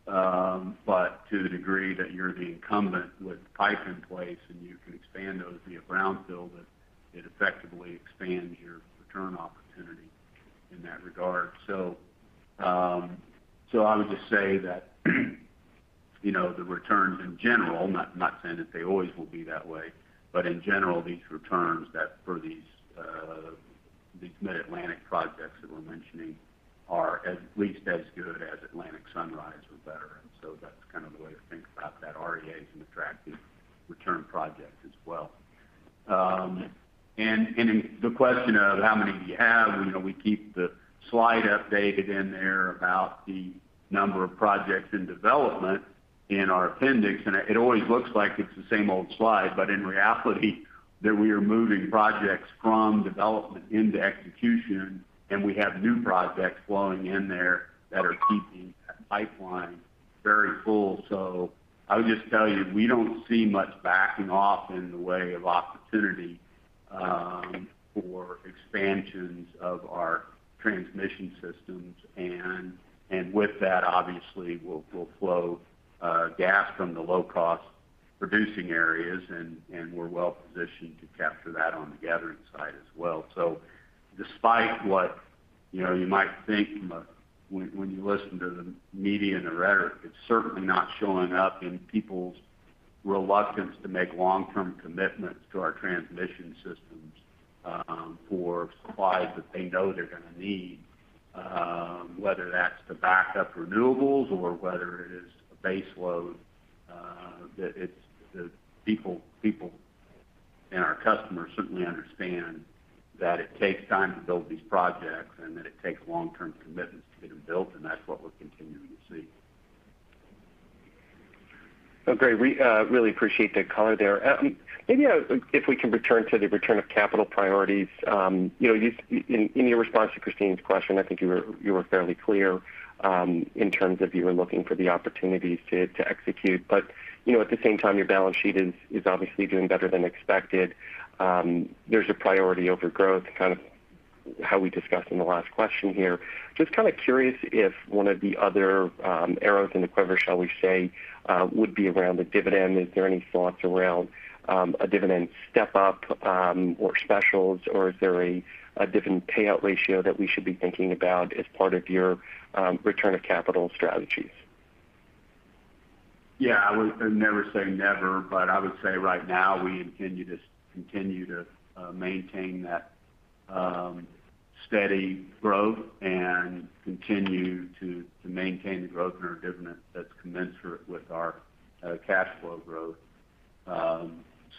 but to the degree that you're the incumbent with pipe in place and you can expand those via brownfield, it effectively expands your return opportunity in that regard. I would just say that, you know, the returns in general, not saying that they always will be that way, but in general, these returns for these Mid-Atlantic projects that we're mentioning are at least as good as Atlantic Sunrise or better. That's kind of the way to think about that. REA is an attractive return project as well. In the question of how many do you have? You know, we keep the slide updated in there about the number of projects in development in our appendix, and it always looks like it's the same old slide, but in reality that we are moving projects from development into execution, and we have new projects flowing in there that are keeping that pipeline very full. I would just tell you, we don't see much backing off in the way of opportunity, for expansions of our transmission systems and with that obviously we'll flow gas from the low-cost producing areas and we're well positioned to capture that on the gathering side as well. Despite what you know you might think when you listen to the media and the rhetoric, it's certainly not showing up in people's reluctance to make long-term commitments to our transmission systems for supplies that they know they're gonna need, whether that's to back up renewables or whether it is a base load, that the people and our customers certainly understand that it takes time to build these projects and that it takes long-term commitments to get them built, and that's what we're continuing to see. Okay. We really appreciate the color there. Maybe if we can return to the return of capital priorities. You know, in your response to Christine's question, I think you were fairly clear in terms of you were looking for the opportunities to execute. But you know, at the same time, your balance sheet is obviously doing better than expected. There's a priority over growth, kind of how we discussed in the last question here. Just kind of curious if one of the other arrows in the quiver, shall we say, would be around a dividend. Is there any thoughts around a dividend step up or specials, or is there a different payout ratio that we should be thinking about as part of your return of capital strategies? Yeah, I would never say never, but I would say right now we intend to just continue to maintain that steady growth and continue to maintain the growth in our dividend that's commensurate with our cash flow growth.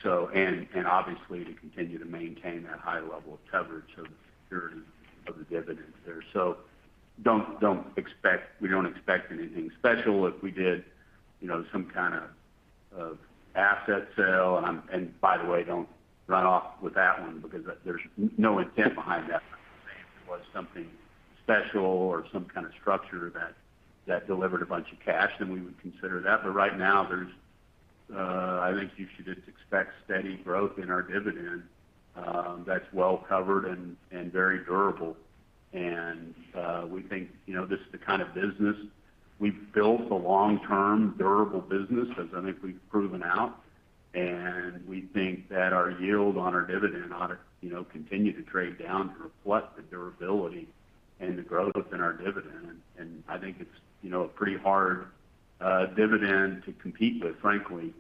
And obviously to continue to maintain that high level of coverage. The security of the dividend there. We don't expect anything special. If we did, you know, some kind of asset sale, and by the way, don't run off with that one because there's no intent behind that one. Say if it was something special or some kind of structure that delivered a bunch of cash, then we would consider that. Right now I think you should just expect steady growth in our dividend that's well covered and very durable. We think, you know, this is the kind of business we've built a long-term durable business as I think we've proven out. We think that our yield on our dividend ought to, you know, continue to trade down to reflect the durability and the growth within our dividend. I think it's, you know, a pretty hard dividend to compete with, frankly,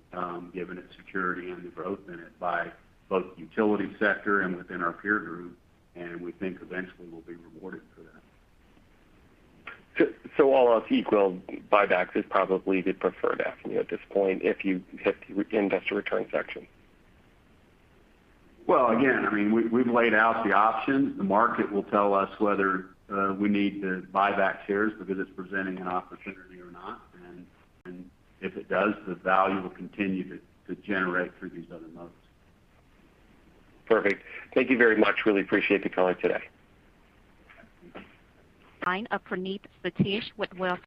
given its security and the growth in it by both utility sector and within our peer group. We think eventually we'll be rewarded for that. All else equal, buybacks is probably the preferred avenue at this point if you hit investor return section. Well, again, I mean, we've laid out the options. The market will tell us whether we need to buy back shares because it's presenting an opportunity or not. If it does, the value will continue to generate through these other modes. Perfect. Thank you very much. Really appreciate you calling today. Line of Praneeth Satish with Wells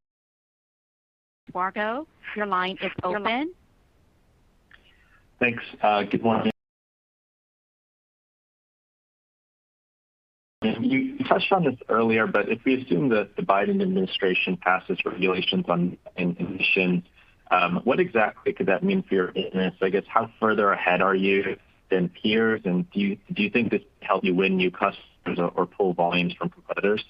Fargo. Your line is open. Thanks, good morning. You touched on this earlier, but if we assume that the Biden administration passes regulations on emissions, what exactly could that mean for your business? I guess how further ahead are you than peers? Do you think this helps you win new customers or pull volumes from competitors?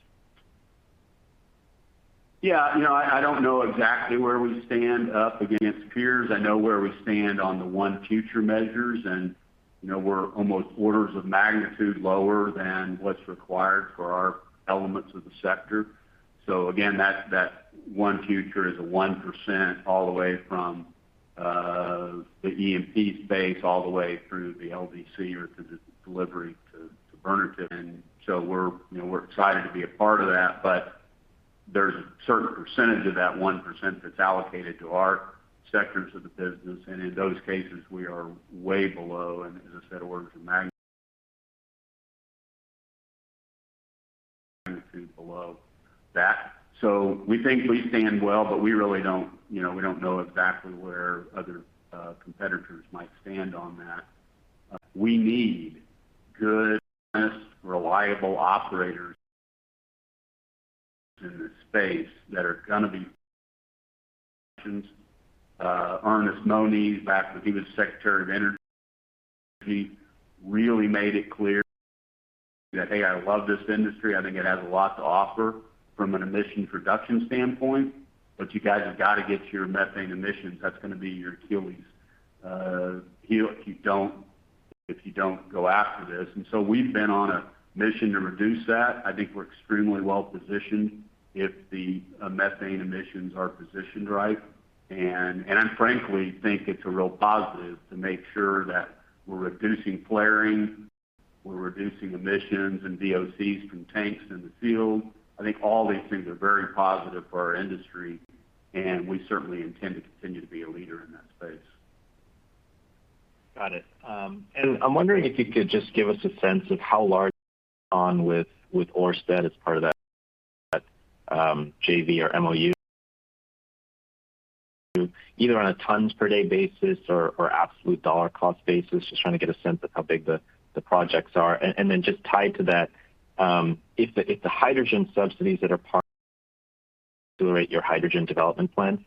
Yeah, you know, I don't know exactly where we stand up against peers. I know where we stand on the ONE Future measures and, you know, we're almost orders of magnitude lower than what's required for our elements of the sector. Again, that ONE Future is a 1% all the way from the E&P space all the way through the LDC or to the delivery to burner tip. We're, you know, we're excited to be a part of that. There's a certain percentage of that 1% that's allocated to our sectors of the business. In those cases, we are way below, and as I said, orders of magnitude below that. We think we stand well, but we really don't, you know, we don't know exactly where other competitors might stand on that. We need good, reliable operators in this space. Ernest Moniz, back when he was Secretary of Energy, really made it clear that, "Hey, I love this industry. I think it has a lot to offer from an emission reduction standpoint, but you guys have got to get your methane emissions. That's going to be your Achilles heel if you don't go after this." We've been on a mission to reduce that. I think we're extremely well positioned if the methane emissions are positioned right. I frankly think it's a real positive to make sure that we're reducing flaring, we're reducing emissions and VOCs from tanks in the field. I think all these things are very positive for our industry, and we certainly intend to continue to be a leader in that space. Got it. I'm wondering if you could just give us a sense of how large one with Ørsted as part of that JV or MOU. Either on a tons per day basis or absolute dollar cost basis, just trying to get a sense of how big the projects are. Then just tied to that, if the hydrogen subsidies that are part of your hydrogen development plan.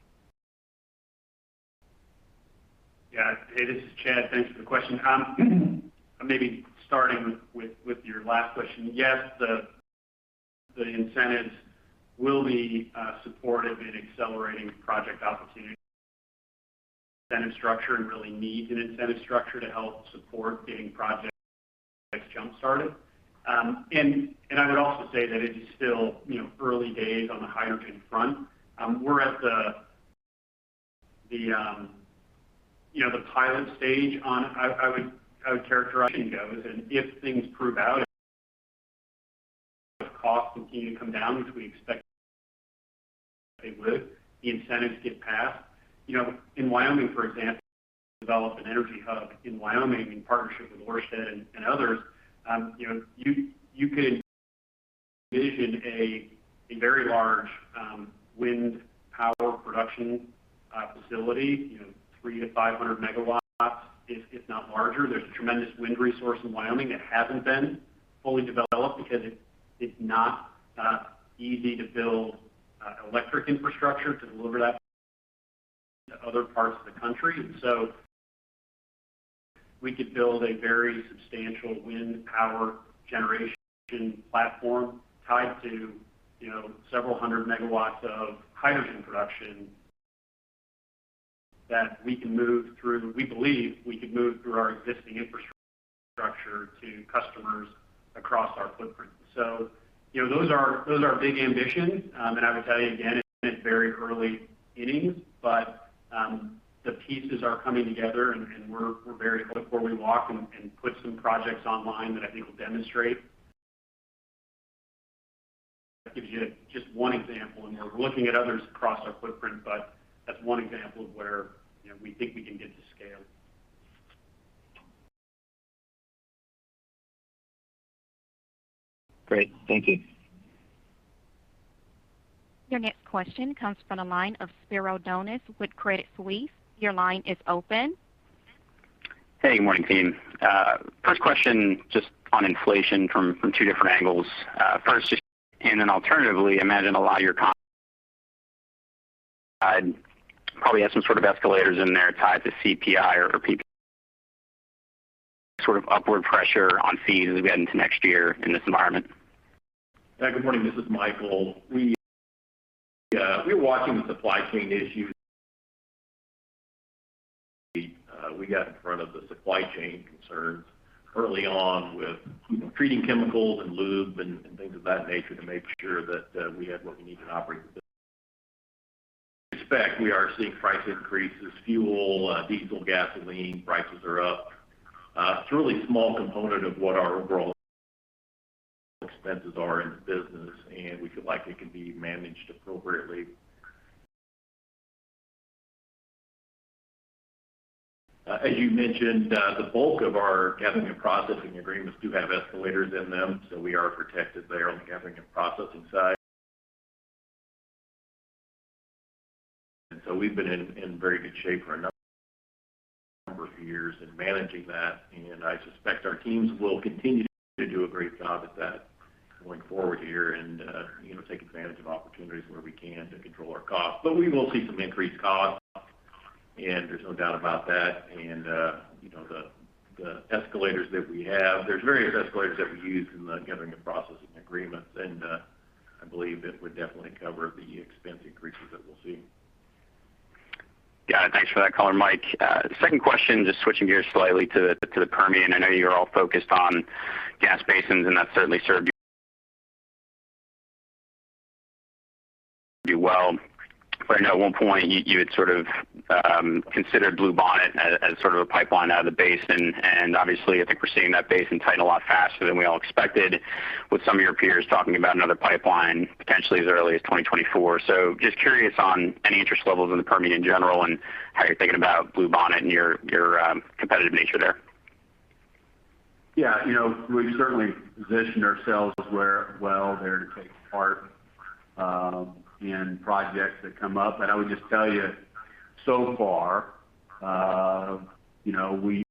Yeah. Hey, this is Chad. Thanks for the question. Maybe starting with your last question. Yes, the incentives will be supportive in accelerating project opportunities incentive structure and really need an incentive structure to help support getting projects jump-started. I would also say that it is still, you know, early days on the hydrogen front. We're at the pilot stage. I would characterize it as if things prove out, costs continue to come down, which we expect they would, the incentives get passed. You know, in Wyoming, for example, develop an energy hub in Wyoming in partnership with Ørsted and others. You know, you could envision a very large wind power production facility, you know, 300 MW-500 MW, if not larger. There's a tremendous wind resource in Wyoming that hasn't been fully developed because it's not easy to build electric infrastructure to deliver that to other parts of the country. We could build a very substantial wind power generation platform tied to you know several hundred megawatt of hydrogen production that we can move through our existing infrastructure to customers across our footprint. We believe we could move through our existing infrastructure to customers across our footprint. You know those are big ambitions. I would tell you again, it's very early innings, but the pieces are coming together and put some projects online that I think will demonstrate. That gives you just one example. We're looking at others across our footprint, but that's one example of where you know we think we can get to scale. Great. Thank you. Your next question comes from the line of Spiro Dounis with Credit Suisse. Your line is open. Hey, good morning, team. First question just on inflation from two different angles. First and then alternatively, I imagine a lot of your com- I'd probably have some sort of escalators in there tied to CPI or PPI, sort of upward pressure on fees as we get into next year in this environment. Yeah. Good morning. This is Michael. We're watching the supply chain issues. We got in front of the supply chain concerns early on with treating chemicals and lube and things of that nature to make sure that we had what we need to operate the business. In fact, we are seeing price increases. Fuel, diesel, gasoline prices are up. It's a really small component of what our overall expenses are in the business, and we feel like it can be managed appropriately. As you mentioned, the bulk of our gathering and processing agreements do have escalators in them, so we are protected there on the gathering and processing side. We've been in very good shape for a number of years in managing that, and I suspect our teams will continue to do a great job at that going forward here and, you know, take advantage of opportunities where we can to control our costs. We will see some increased costs, and there's no doubt about that. You know, the escalators that we have, there's various escalators that we use in the gathering and processing agreements, and I believe it would definitely cover the expense increases that we'll see. Got it. Thanks for that color, Mike. Second question, just switching gears slightly to the Permian. I know you're all focused on gas basins, and that certainly served you well. I know at one point you had sort of considered Bluebonnet as sort of a pipeline out of the basin. Obviously, I think we're seeing that basin tighten a lot faster than we all expected with some of your peers talking about another pipeline potentially as early as 2024. Just curious on any interest levels in the Permian in general and how you're thinking about Bluebonnet and your competitive nature there. Yeah. You know, we've certainly positioned ourselves well to take part in projects that come up. I would just tell you so far, you know, we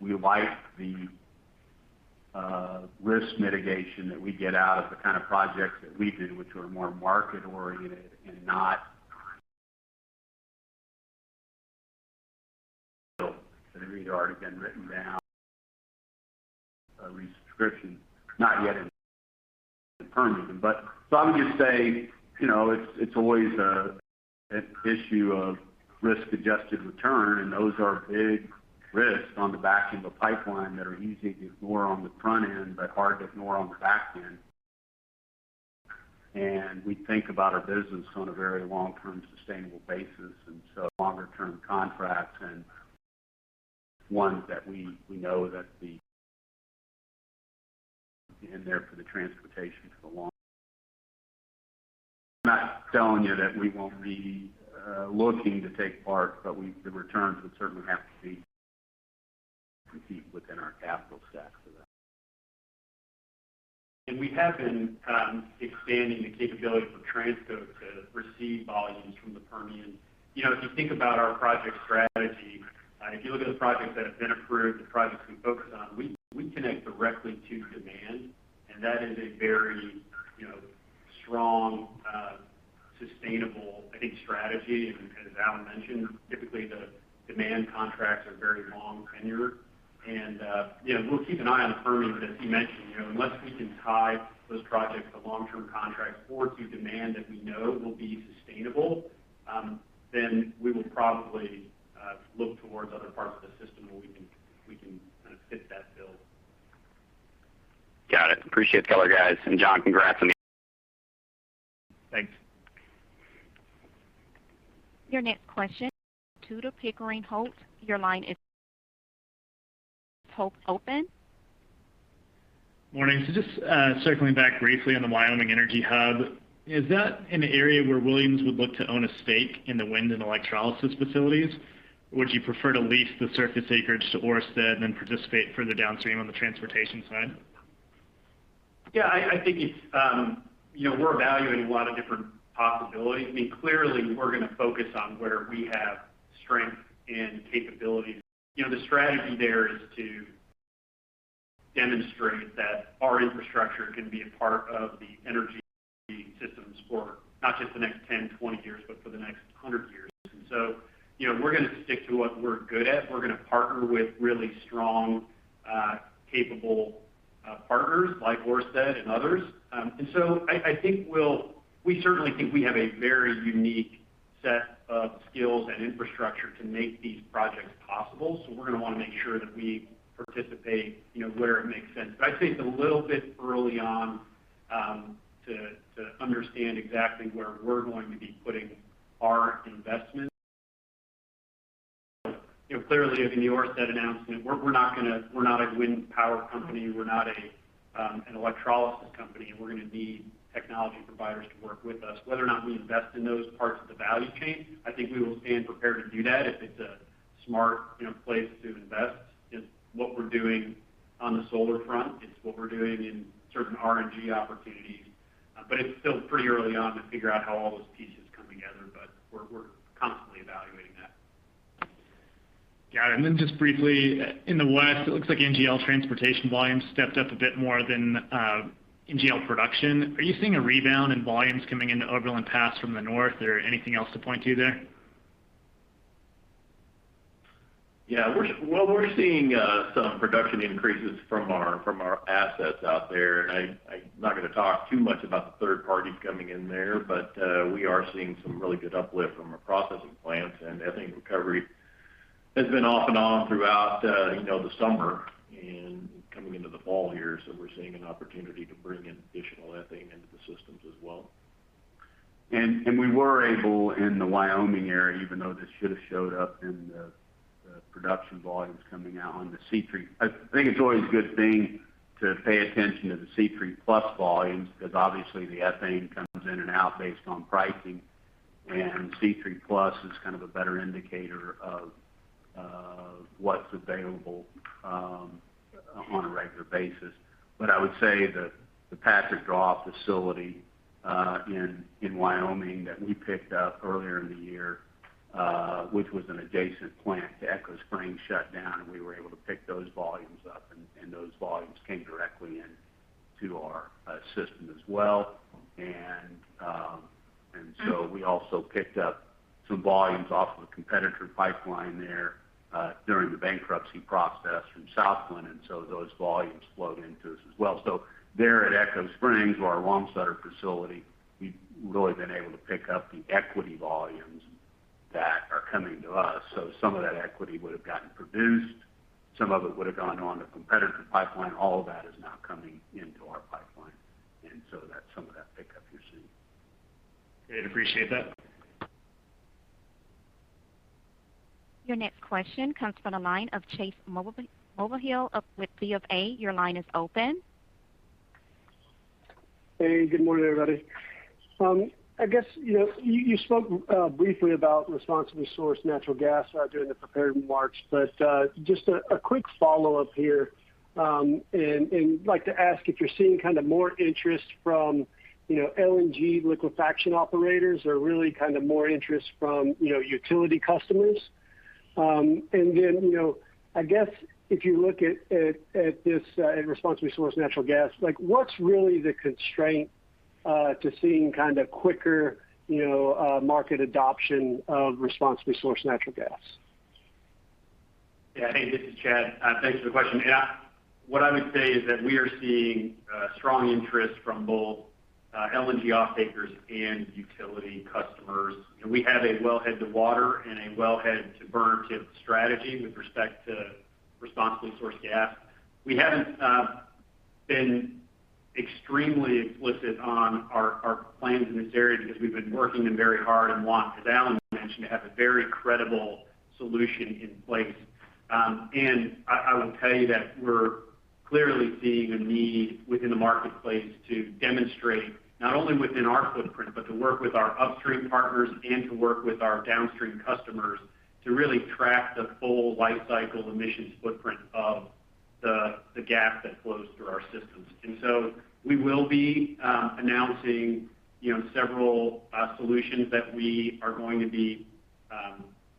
like the risk mitigation that we get out of the kind of projects that we do, which are more market-oriented and not. They've either already been written down or in construction, not yet in the Permian. I would just say, you know, it's always an issue of risk-adjusted return, and those are big risks on the back end of a pipeline that are easy to ignore on the front end, but hard to ignore on the back end. We think about our business on a very long-term sustainable basis, and longer term contracts and ones that we know that the shipper's in there for the transportation for the long. I'm not telling you that we won't be looking to take part, but the returns would certainly have to be competitive within our capital stack for that. We have been expanding the capability for Transco to receive volumes from the Permian. You know, if you think about our project strategy, if you look at the projects that have been approved, the projects we focus on, we connect directly to demand. That is a very, you know, strong, sustainable, I think, strategy. As Alan mentioned, typically the demand contracts are very long tenure. You know, we'll keep an eye on the Permian. But as he mentioned, you know, unless we can tie those projects to long-term contracts or to demand that we know will be sustainable, then we will probably look towards other parts of the system where we can kind of fit that bill. Got it. Appreciate the color, guys. John, congrats on the- Thanks. Your next question comes to Tudor, Pickering, Holt. Your line is open. Morning. Just circling back briefly on the Wyoming Energy Hub, is that an area where Williams would look to own a stake in the wind and electrolysis facilities? Or would you prefer to lease the surface acreage to Ørsted and participate further downstream on the transportation side? Yeah, I think it's. You know, we're evaluating a lot of different possibilities. I mean, clearly, we're gonna focus on where we have strength and capabilities. You know, the strategy there is to demonstrate that our infrastructure can be a part of the energy systems for not just the next 10 years, 20 years, but for the next 100 years. You know, we're gonna stick to what we're good at. We're gonna partner with really strong, capable, partners like Ørsted and others. I think we certainly think we have a very unique set of skills and infrastructure to make these projects possible. We're gonna wanna make sure that we participate, you know, where it makes sense. I think it's a little bit early on to understand exactly where we're going to be putting our investment. You know, clearly in the Ørsted announcement, we're not a wind power company. We're not an electrolysis company, and we're gonna need technology providers to work with us. Whether or not we invest in those parts of the value chain, I think we will stand prepared to do that if it's a smart, you know, place to invest in what we're doing on the solar front. It's what we're doing in certain RNG opportunities. But it's still pretty early on to figure out how all those pieces come together. We're constantly evaluating that. Got it. Just briefly, in the West, it looks like NGL transportation volumes stepped up a bit more than NGL production. Are you seeing a rebound in volumes coming into Overland Pass from the north or anything else to point to there? Yeah. Well, we're seeing some production increases from our assets out there. I'm not gonna talk too much about the third parties coming in there, but we are seeing some really good uplift from our processing plants, and ethane recovery has been off and on throughout, you know, the summer and coming into the fall here. We're seeing an opportunity to bring in additional ethane into the systems as well. We were able in the Wyoming area, even though this should have showed up in the production volumes coming out on the C3. I think it's always a good thing to pay attention to the C3+ volumes because obviously the ethane comes in and out based on pricing, and C3+ is kind of a better indicator of what's available on a regular basis. I would say the Patrick Draw facility in Wyoming that we picked up earlier in the year, which was an adjacent plant to Echo Springs, shut down, and we were able to pick those volumes up, and those volumes came directly into our system as well. We also picked up some volumes off of a competitor pipeline there during the bankruptcy process from Southland, and those volumes flowed into us as well. There at Echo Springs, our Wamsutter facility, we've really been able to pick up the equity volumes that are coming to us. Some of that equity would have gotten produced, some of it would have gone on a competitor pipeline. All of that is now coming into our pipeline. That's some of that pickup you're seeing. Great. I appreciate that. Your next question comes from the line of Chase Mulvehill with BofA. Your line is open. Hey, good morning, everybody. I guess, you know, you spoke briefly about responsibly sourced natural gas during the prepared remarks, but just a quick follow-up here, and like to ask if you're seeing kind of more interest from, you know, LNG liquefaction operators or really kind of more interest from, you know, utility customers. You know, I guess if you look at this responsibly sourced natural gas, like, what's really the constraint to seeing quicker, you know, market adoption of responsibly sourced natural gas? Hey, this is Chad. Thanks for the question. Yeah. What I would say is that we are seeing strong interest from both LNG off-takers and utility customers. We have a wellhead to water and a wellhead to burner tip strategy with respect to responsibly sourced gas. We haven't been extremely explicit on our plans in this area because we've been working them very hard and want, as Alan mentioned, to have a very credible solution in place. I will tell you that we're clearly seeing a need within the marketplace to demonstrate not only within our footprint, but to work with our upstream partners and to work with our downstream customers to really track the full lifecycle emissions footprint of the gas that flows through our systems. We will be announcing, you know, several solutions that we are going to be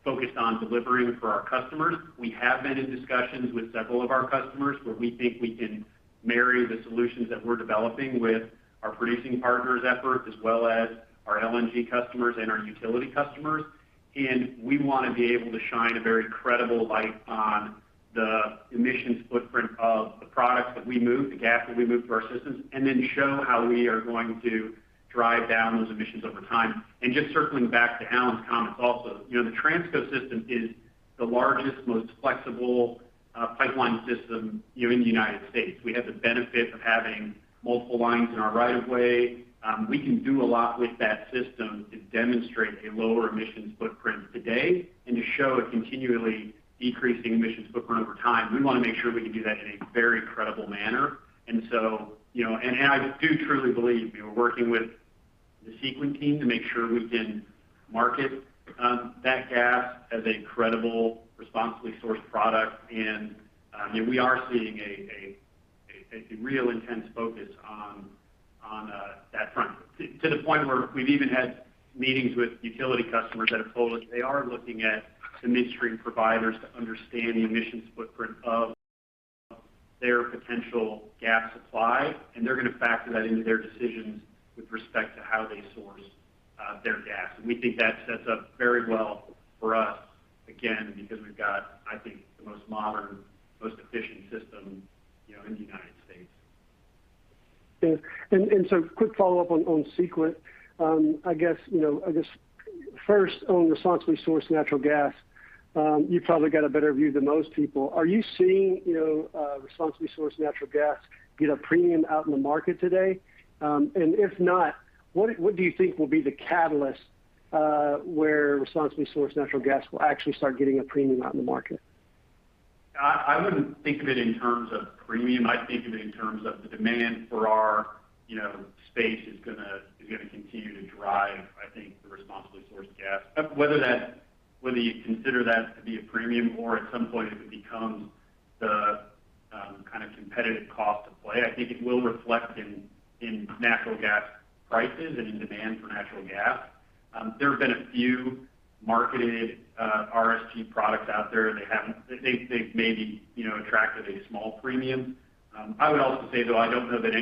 focused on delivering for our customers. We have been in discussions with several of our customers where we think we can marry the solutions that we're developing with our producing partners' efforts, as well as our LNG customers and our utility customers. We wanna be able to shine a very credible light on the emissions footprint of the products that we move, the gas that we move through our systems, and then show how we are going to drive down those emissions over time. Just circling back to Alan's comments also, you know, the Transco system is the largest, most flexible pipeline system, you know, in the United States. We have the benefit of having multiple lines in our right of way. We can do a lot with that system to demonstrate a lower emissions footprint today and to show a continually decreasing emissions footprint over time. We wanna make sure we can do that in a very credible manner. You know, I do truly believe we are working with the Sequent team to make sure we can market that gas as a credible, responsibly sourced product. I mean, we are seeing a real intense focus on that front. To the point where we've even had meetings with utility customers that have told us they are looking at the midstream providers to understand the emissions footprint of their potential gas supply, and they're gonna factor that into their decisions with respect to how they source their gas. We think that sets up very well for us, again, because we've got, I think, the most modern, most efficient system, you know, in the United States. Quick follow-up on Sequent. I guess you know I guess first on responsibly sourced natural gas, you've probably got a better view than most people. Are you seeing you know responsibly sourced natural gas get a premium out in the market today? If not, what do you think will be the catalyst where responsibly sourced natural gas will actually start getting a premium out in the market? I wouldn't think of it in terms of premium. I think of it in terms of the demand for our, you know, space is gonna continue to drive, I think, the responsibly sourced gas, whether you consider that to be a premium or at some point if it becomes the competitive cost to play. I think it will reflect in natural gas prices and in demand for natural gas. There have been a few marketed RSG products out there, and they've maybe, you know, attracted a small premium. I would also say, though, I don't know that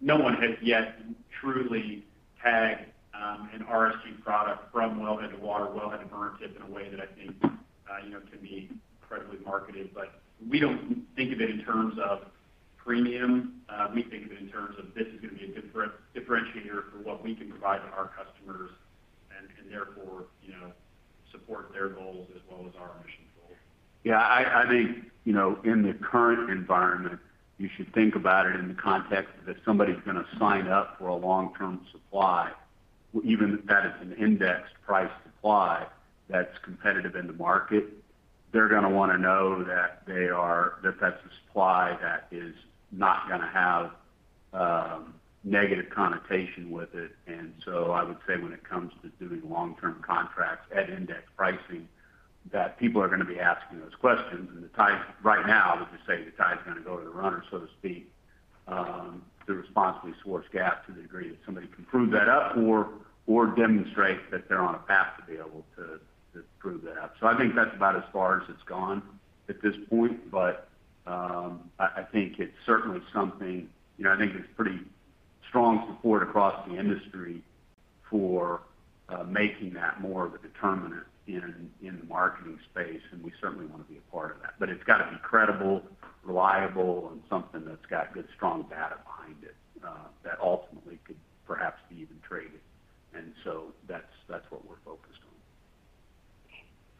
no one has yet truly tagged an RSG product from wellhead to water, wellhead to burner tip in a way that I think, you know, can be credibly marketed. We don't think of it in terms of premium. We think of it in terms of this is gonna be a differentiator for what we can provide to our customers and therefore, you know, support their goals as well as our mission goals. Yeah. I think, you know, in the current environment, you should think about it in the context that somebody's gonna sign up for a long-term supply. Even if that is an indexed price supply that's competitive in the market, they're gonna wanna know that that's a supply that is not gonna have a negative connotation with it. I would say when it comes to doing long-term contracts at index pricing, that people are gonna be asking those questions. The tide right now, as we say, the tide's gonna go to the runner, so to speak, to responsibly source gas to the degree that somebody can prove that up or demonstrate that they're on a path to be able to prove that up. I think that's about as far as it's gone at this point. I think it's certainly something. You know, I think there's pretty strong support across the industry for making that more of a determinant in the marketing space, and we certainly wanna be a part of that. It's gotta be credible, reliable, and something that's got good, strong data behind it, that ultimately could perhaps be even traded. That's what we're focused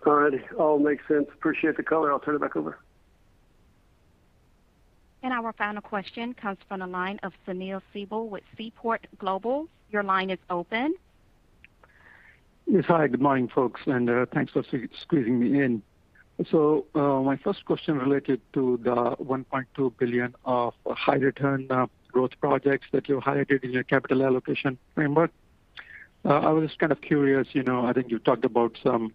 on. All right. All makes sense. Appreciate the color. I'll turn it back over. Our final question comes from the line of Sunil Sibal with Seaport Global. Your line is open. Yes. Hi, good morning, folks, and thanks for squeezing me in. My first question related to the $1.2 billion of high return growth projects that you highlighted in your capital allocation framework. I was kind of curious, you know. I think you talked about some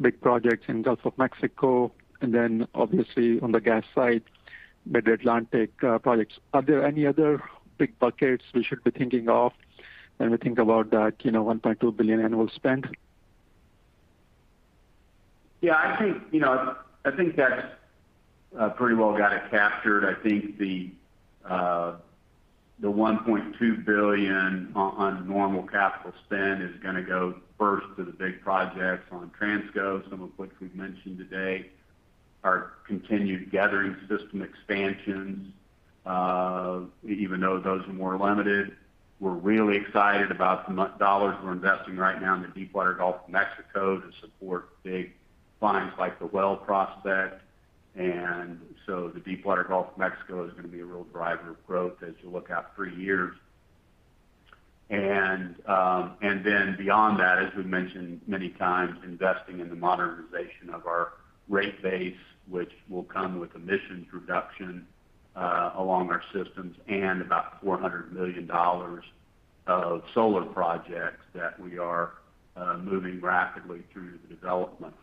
big projects in Gulf of Mexico and then obviously on the gas side, Mid-Atlantic projects. Are there any other big buckets we should be thinking of when we think about that $1.2 billion annual spend? Yeah, I think, you know, I think that pretty well got it captured. I think the $1.2 billion on normal capital spend is gonna go first to the big projects on Transco, some of which we've mentioned today, our continued gathering system expansions, even though those are more limited. We're really excited about the millions of dollars we're investing right now in the deepwater Gulf of Mexico to support big finds like the Whale prospect. The deepwater Gulf of Mexico is gonna be a real driver of growth as you look out three years. Beyond that, as we've mentioned many times, investing in the modernization of our rate base, which will come with emissions reduction along our systems and about $400 million of solar projects that we are moving rapidly through the development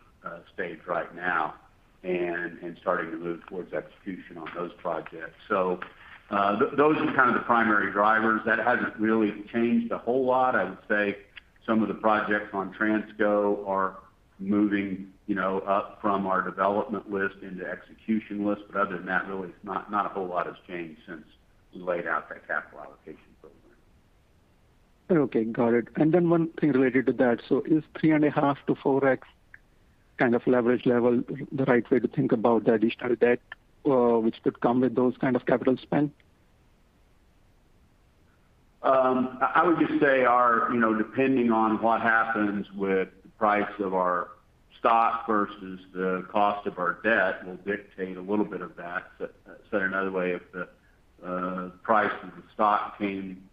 stage right now and starting to move towards execution on those projects. Those are kind of the primary drivers. That hasn't really changed a whole lot. I would say some of the projects on Transco are moving, you know, up from our development list into execution list. Other than that, really not a whole lot has changed since we laid out that capital allocation program. Okay. Got it. One thing related to that. Is 3.5x-4x kind of leverage level the right way to think about the additional debt, which could come with those kind of capital spend? I would just say, you know, depending on what happens with the price of our stock versus the cost of our debt will dictate a little bit of that. Said another way, if the price of the stock came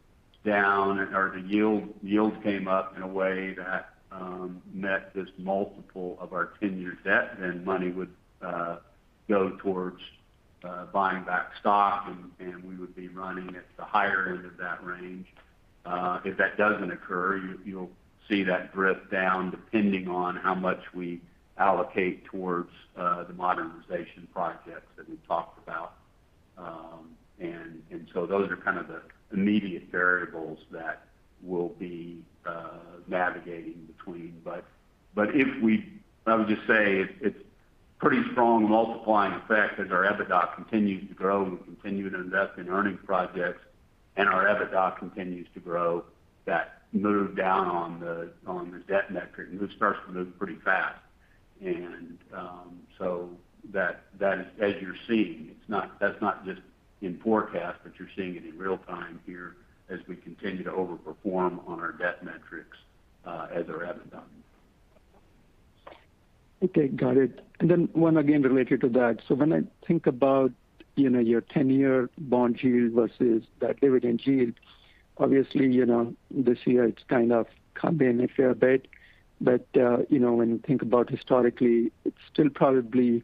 down or the yield came up in a way that met this multiple of our 10-year debt, then money would go towards buying back stock and we would be running at the higher end of that range. If that doesn't occur, you'll see that drift down depending on how much we allocate towards the modernization projects that we've talked about. Those are kind of the immediate variables that we'll be navigating between. I would just say it's a pretty strong multiplier effect as our EBITDA continues to grow, and we continue to invest in earnings projects, and our EBITDA continues to grow. That move down on the debt metric starts to move pretty fast. That is as you're seeing. That's not just in forecast, but you're seeing it in real time here as we continue to overperform on our debt metrics as our EBITDA moves. Okay. Got it. Then one again related to that. When I think about, you know, your 10-year bond yield versus that dividend yield, obviously, you know, this year it's kind of come in a fair bit. You know, when you think about historically, it's still probably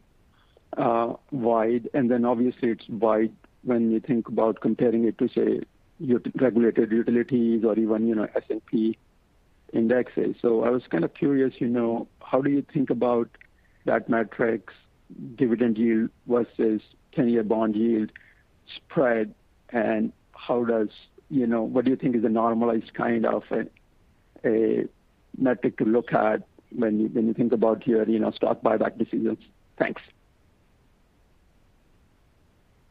wide, and then obviously it's wide when you think about comparing it to, say, your regulated utilities or even, you know, S&P indexes. I was kind of curious, you know, how do you think about that metric's dividend yield versus 10-year bond yield spread? And how does, you know, what do you think is a normalized kind of a metric to look at when you think about your, you know, stock buyback decisions? Thanks.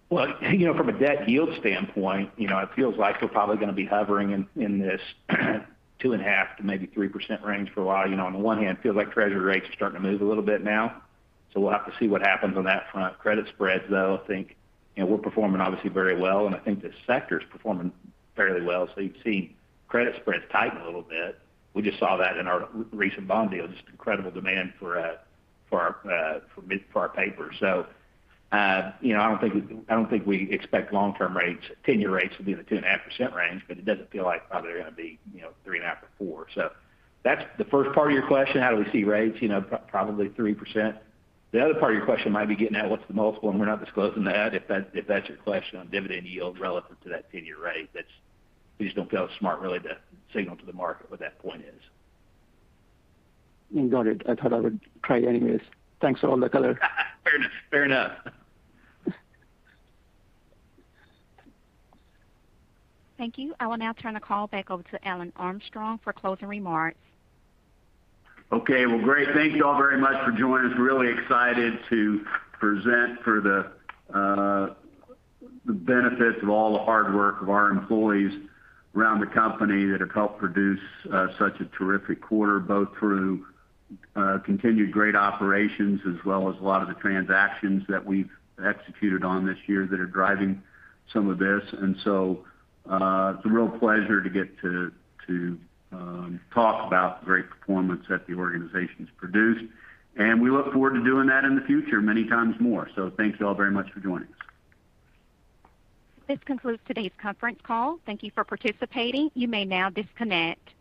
Well, you know, from a debt yield standpoint, you know, it feels like we're probably gonna be hovering in this 2.5% to maybe 3% range for a while. You know, on the one hand, it feels like treasury rates are starting to move a little bit now, so we'll have to see what happens on that front. Credit spreads, though, I think, you know, we're performing obviously very well, and I think the sector is performing fairly well. So you've seen credit spreads tighten a little bit. We just saw that in our recent bond deal, just incredible demand for our paper. I don't think we expect long-term rates, ten-year rates to be in the 2.5% range, but it doesn't feel like they're gonna be, you know, 3.5 or 4. That's the first part of your question, how do we see rates? You know, probably 3%. The other part of your question might be getting at what's the multiple, and we're not disclosing that. If that's your question on dividend yield relevant to that 10-year rate, that's we just don't feel it's smart really to signal to the market what that point is. Got it. I thought I would try anyways. Thanks for all the color. Fair enough. Thank you. I will now turn the call back over to Alan Armstrong for closing remarks. Okay. Well, great. Thank you all very much for joining us. Really excited to present the benefits of all the hard work of our employees around the company that have helped produce such a terrific quarter, both through continued great operations as well as a lot of the transactions that we've executed on this year that are driving some of this. It's a real pleasure to get to talk about the great performance that the organization's produced, and we look forward to doing that in the future many times more. Thanks y'all very much for joining us. This concludes today's conference call. Thank you for participating. You may now disconnect.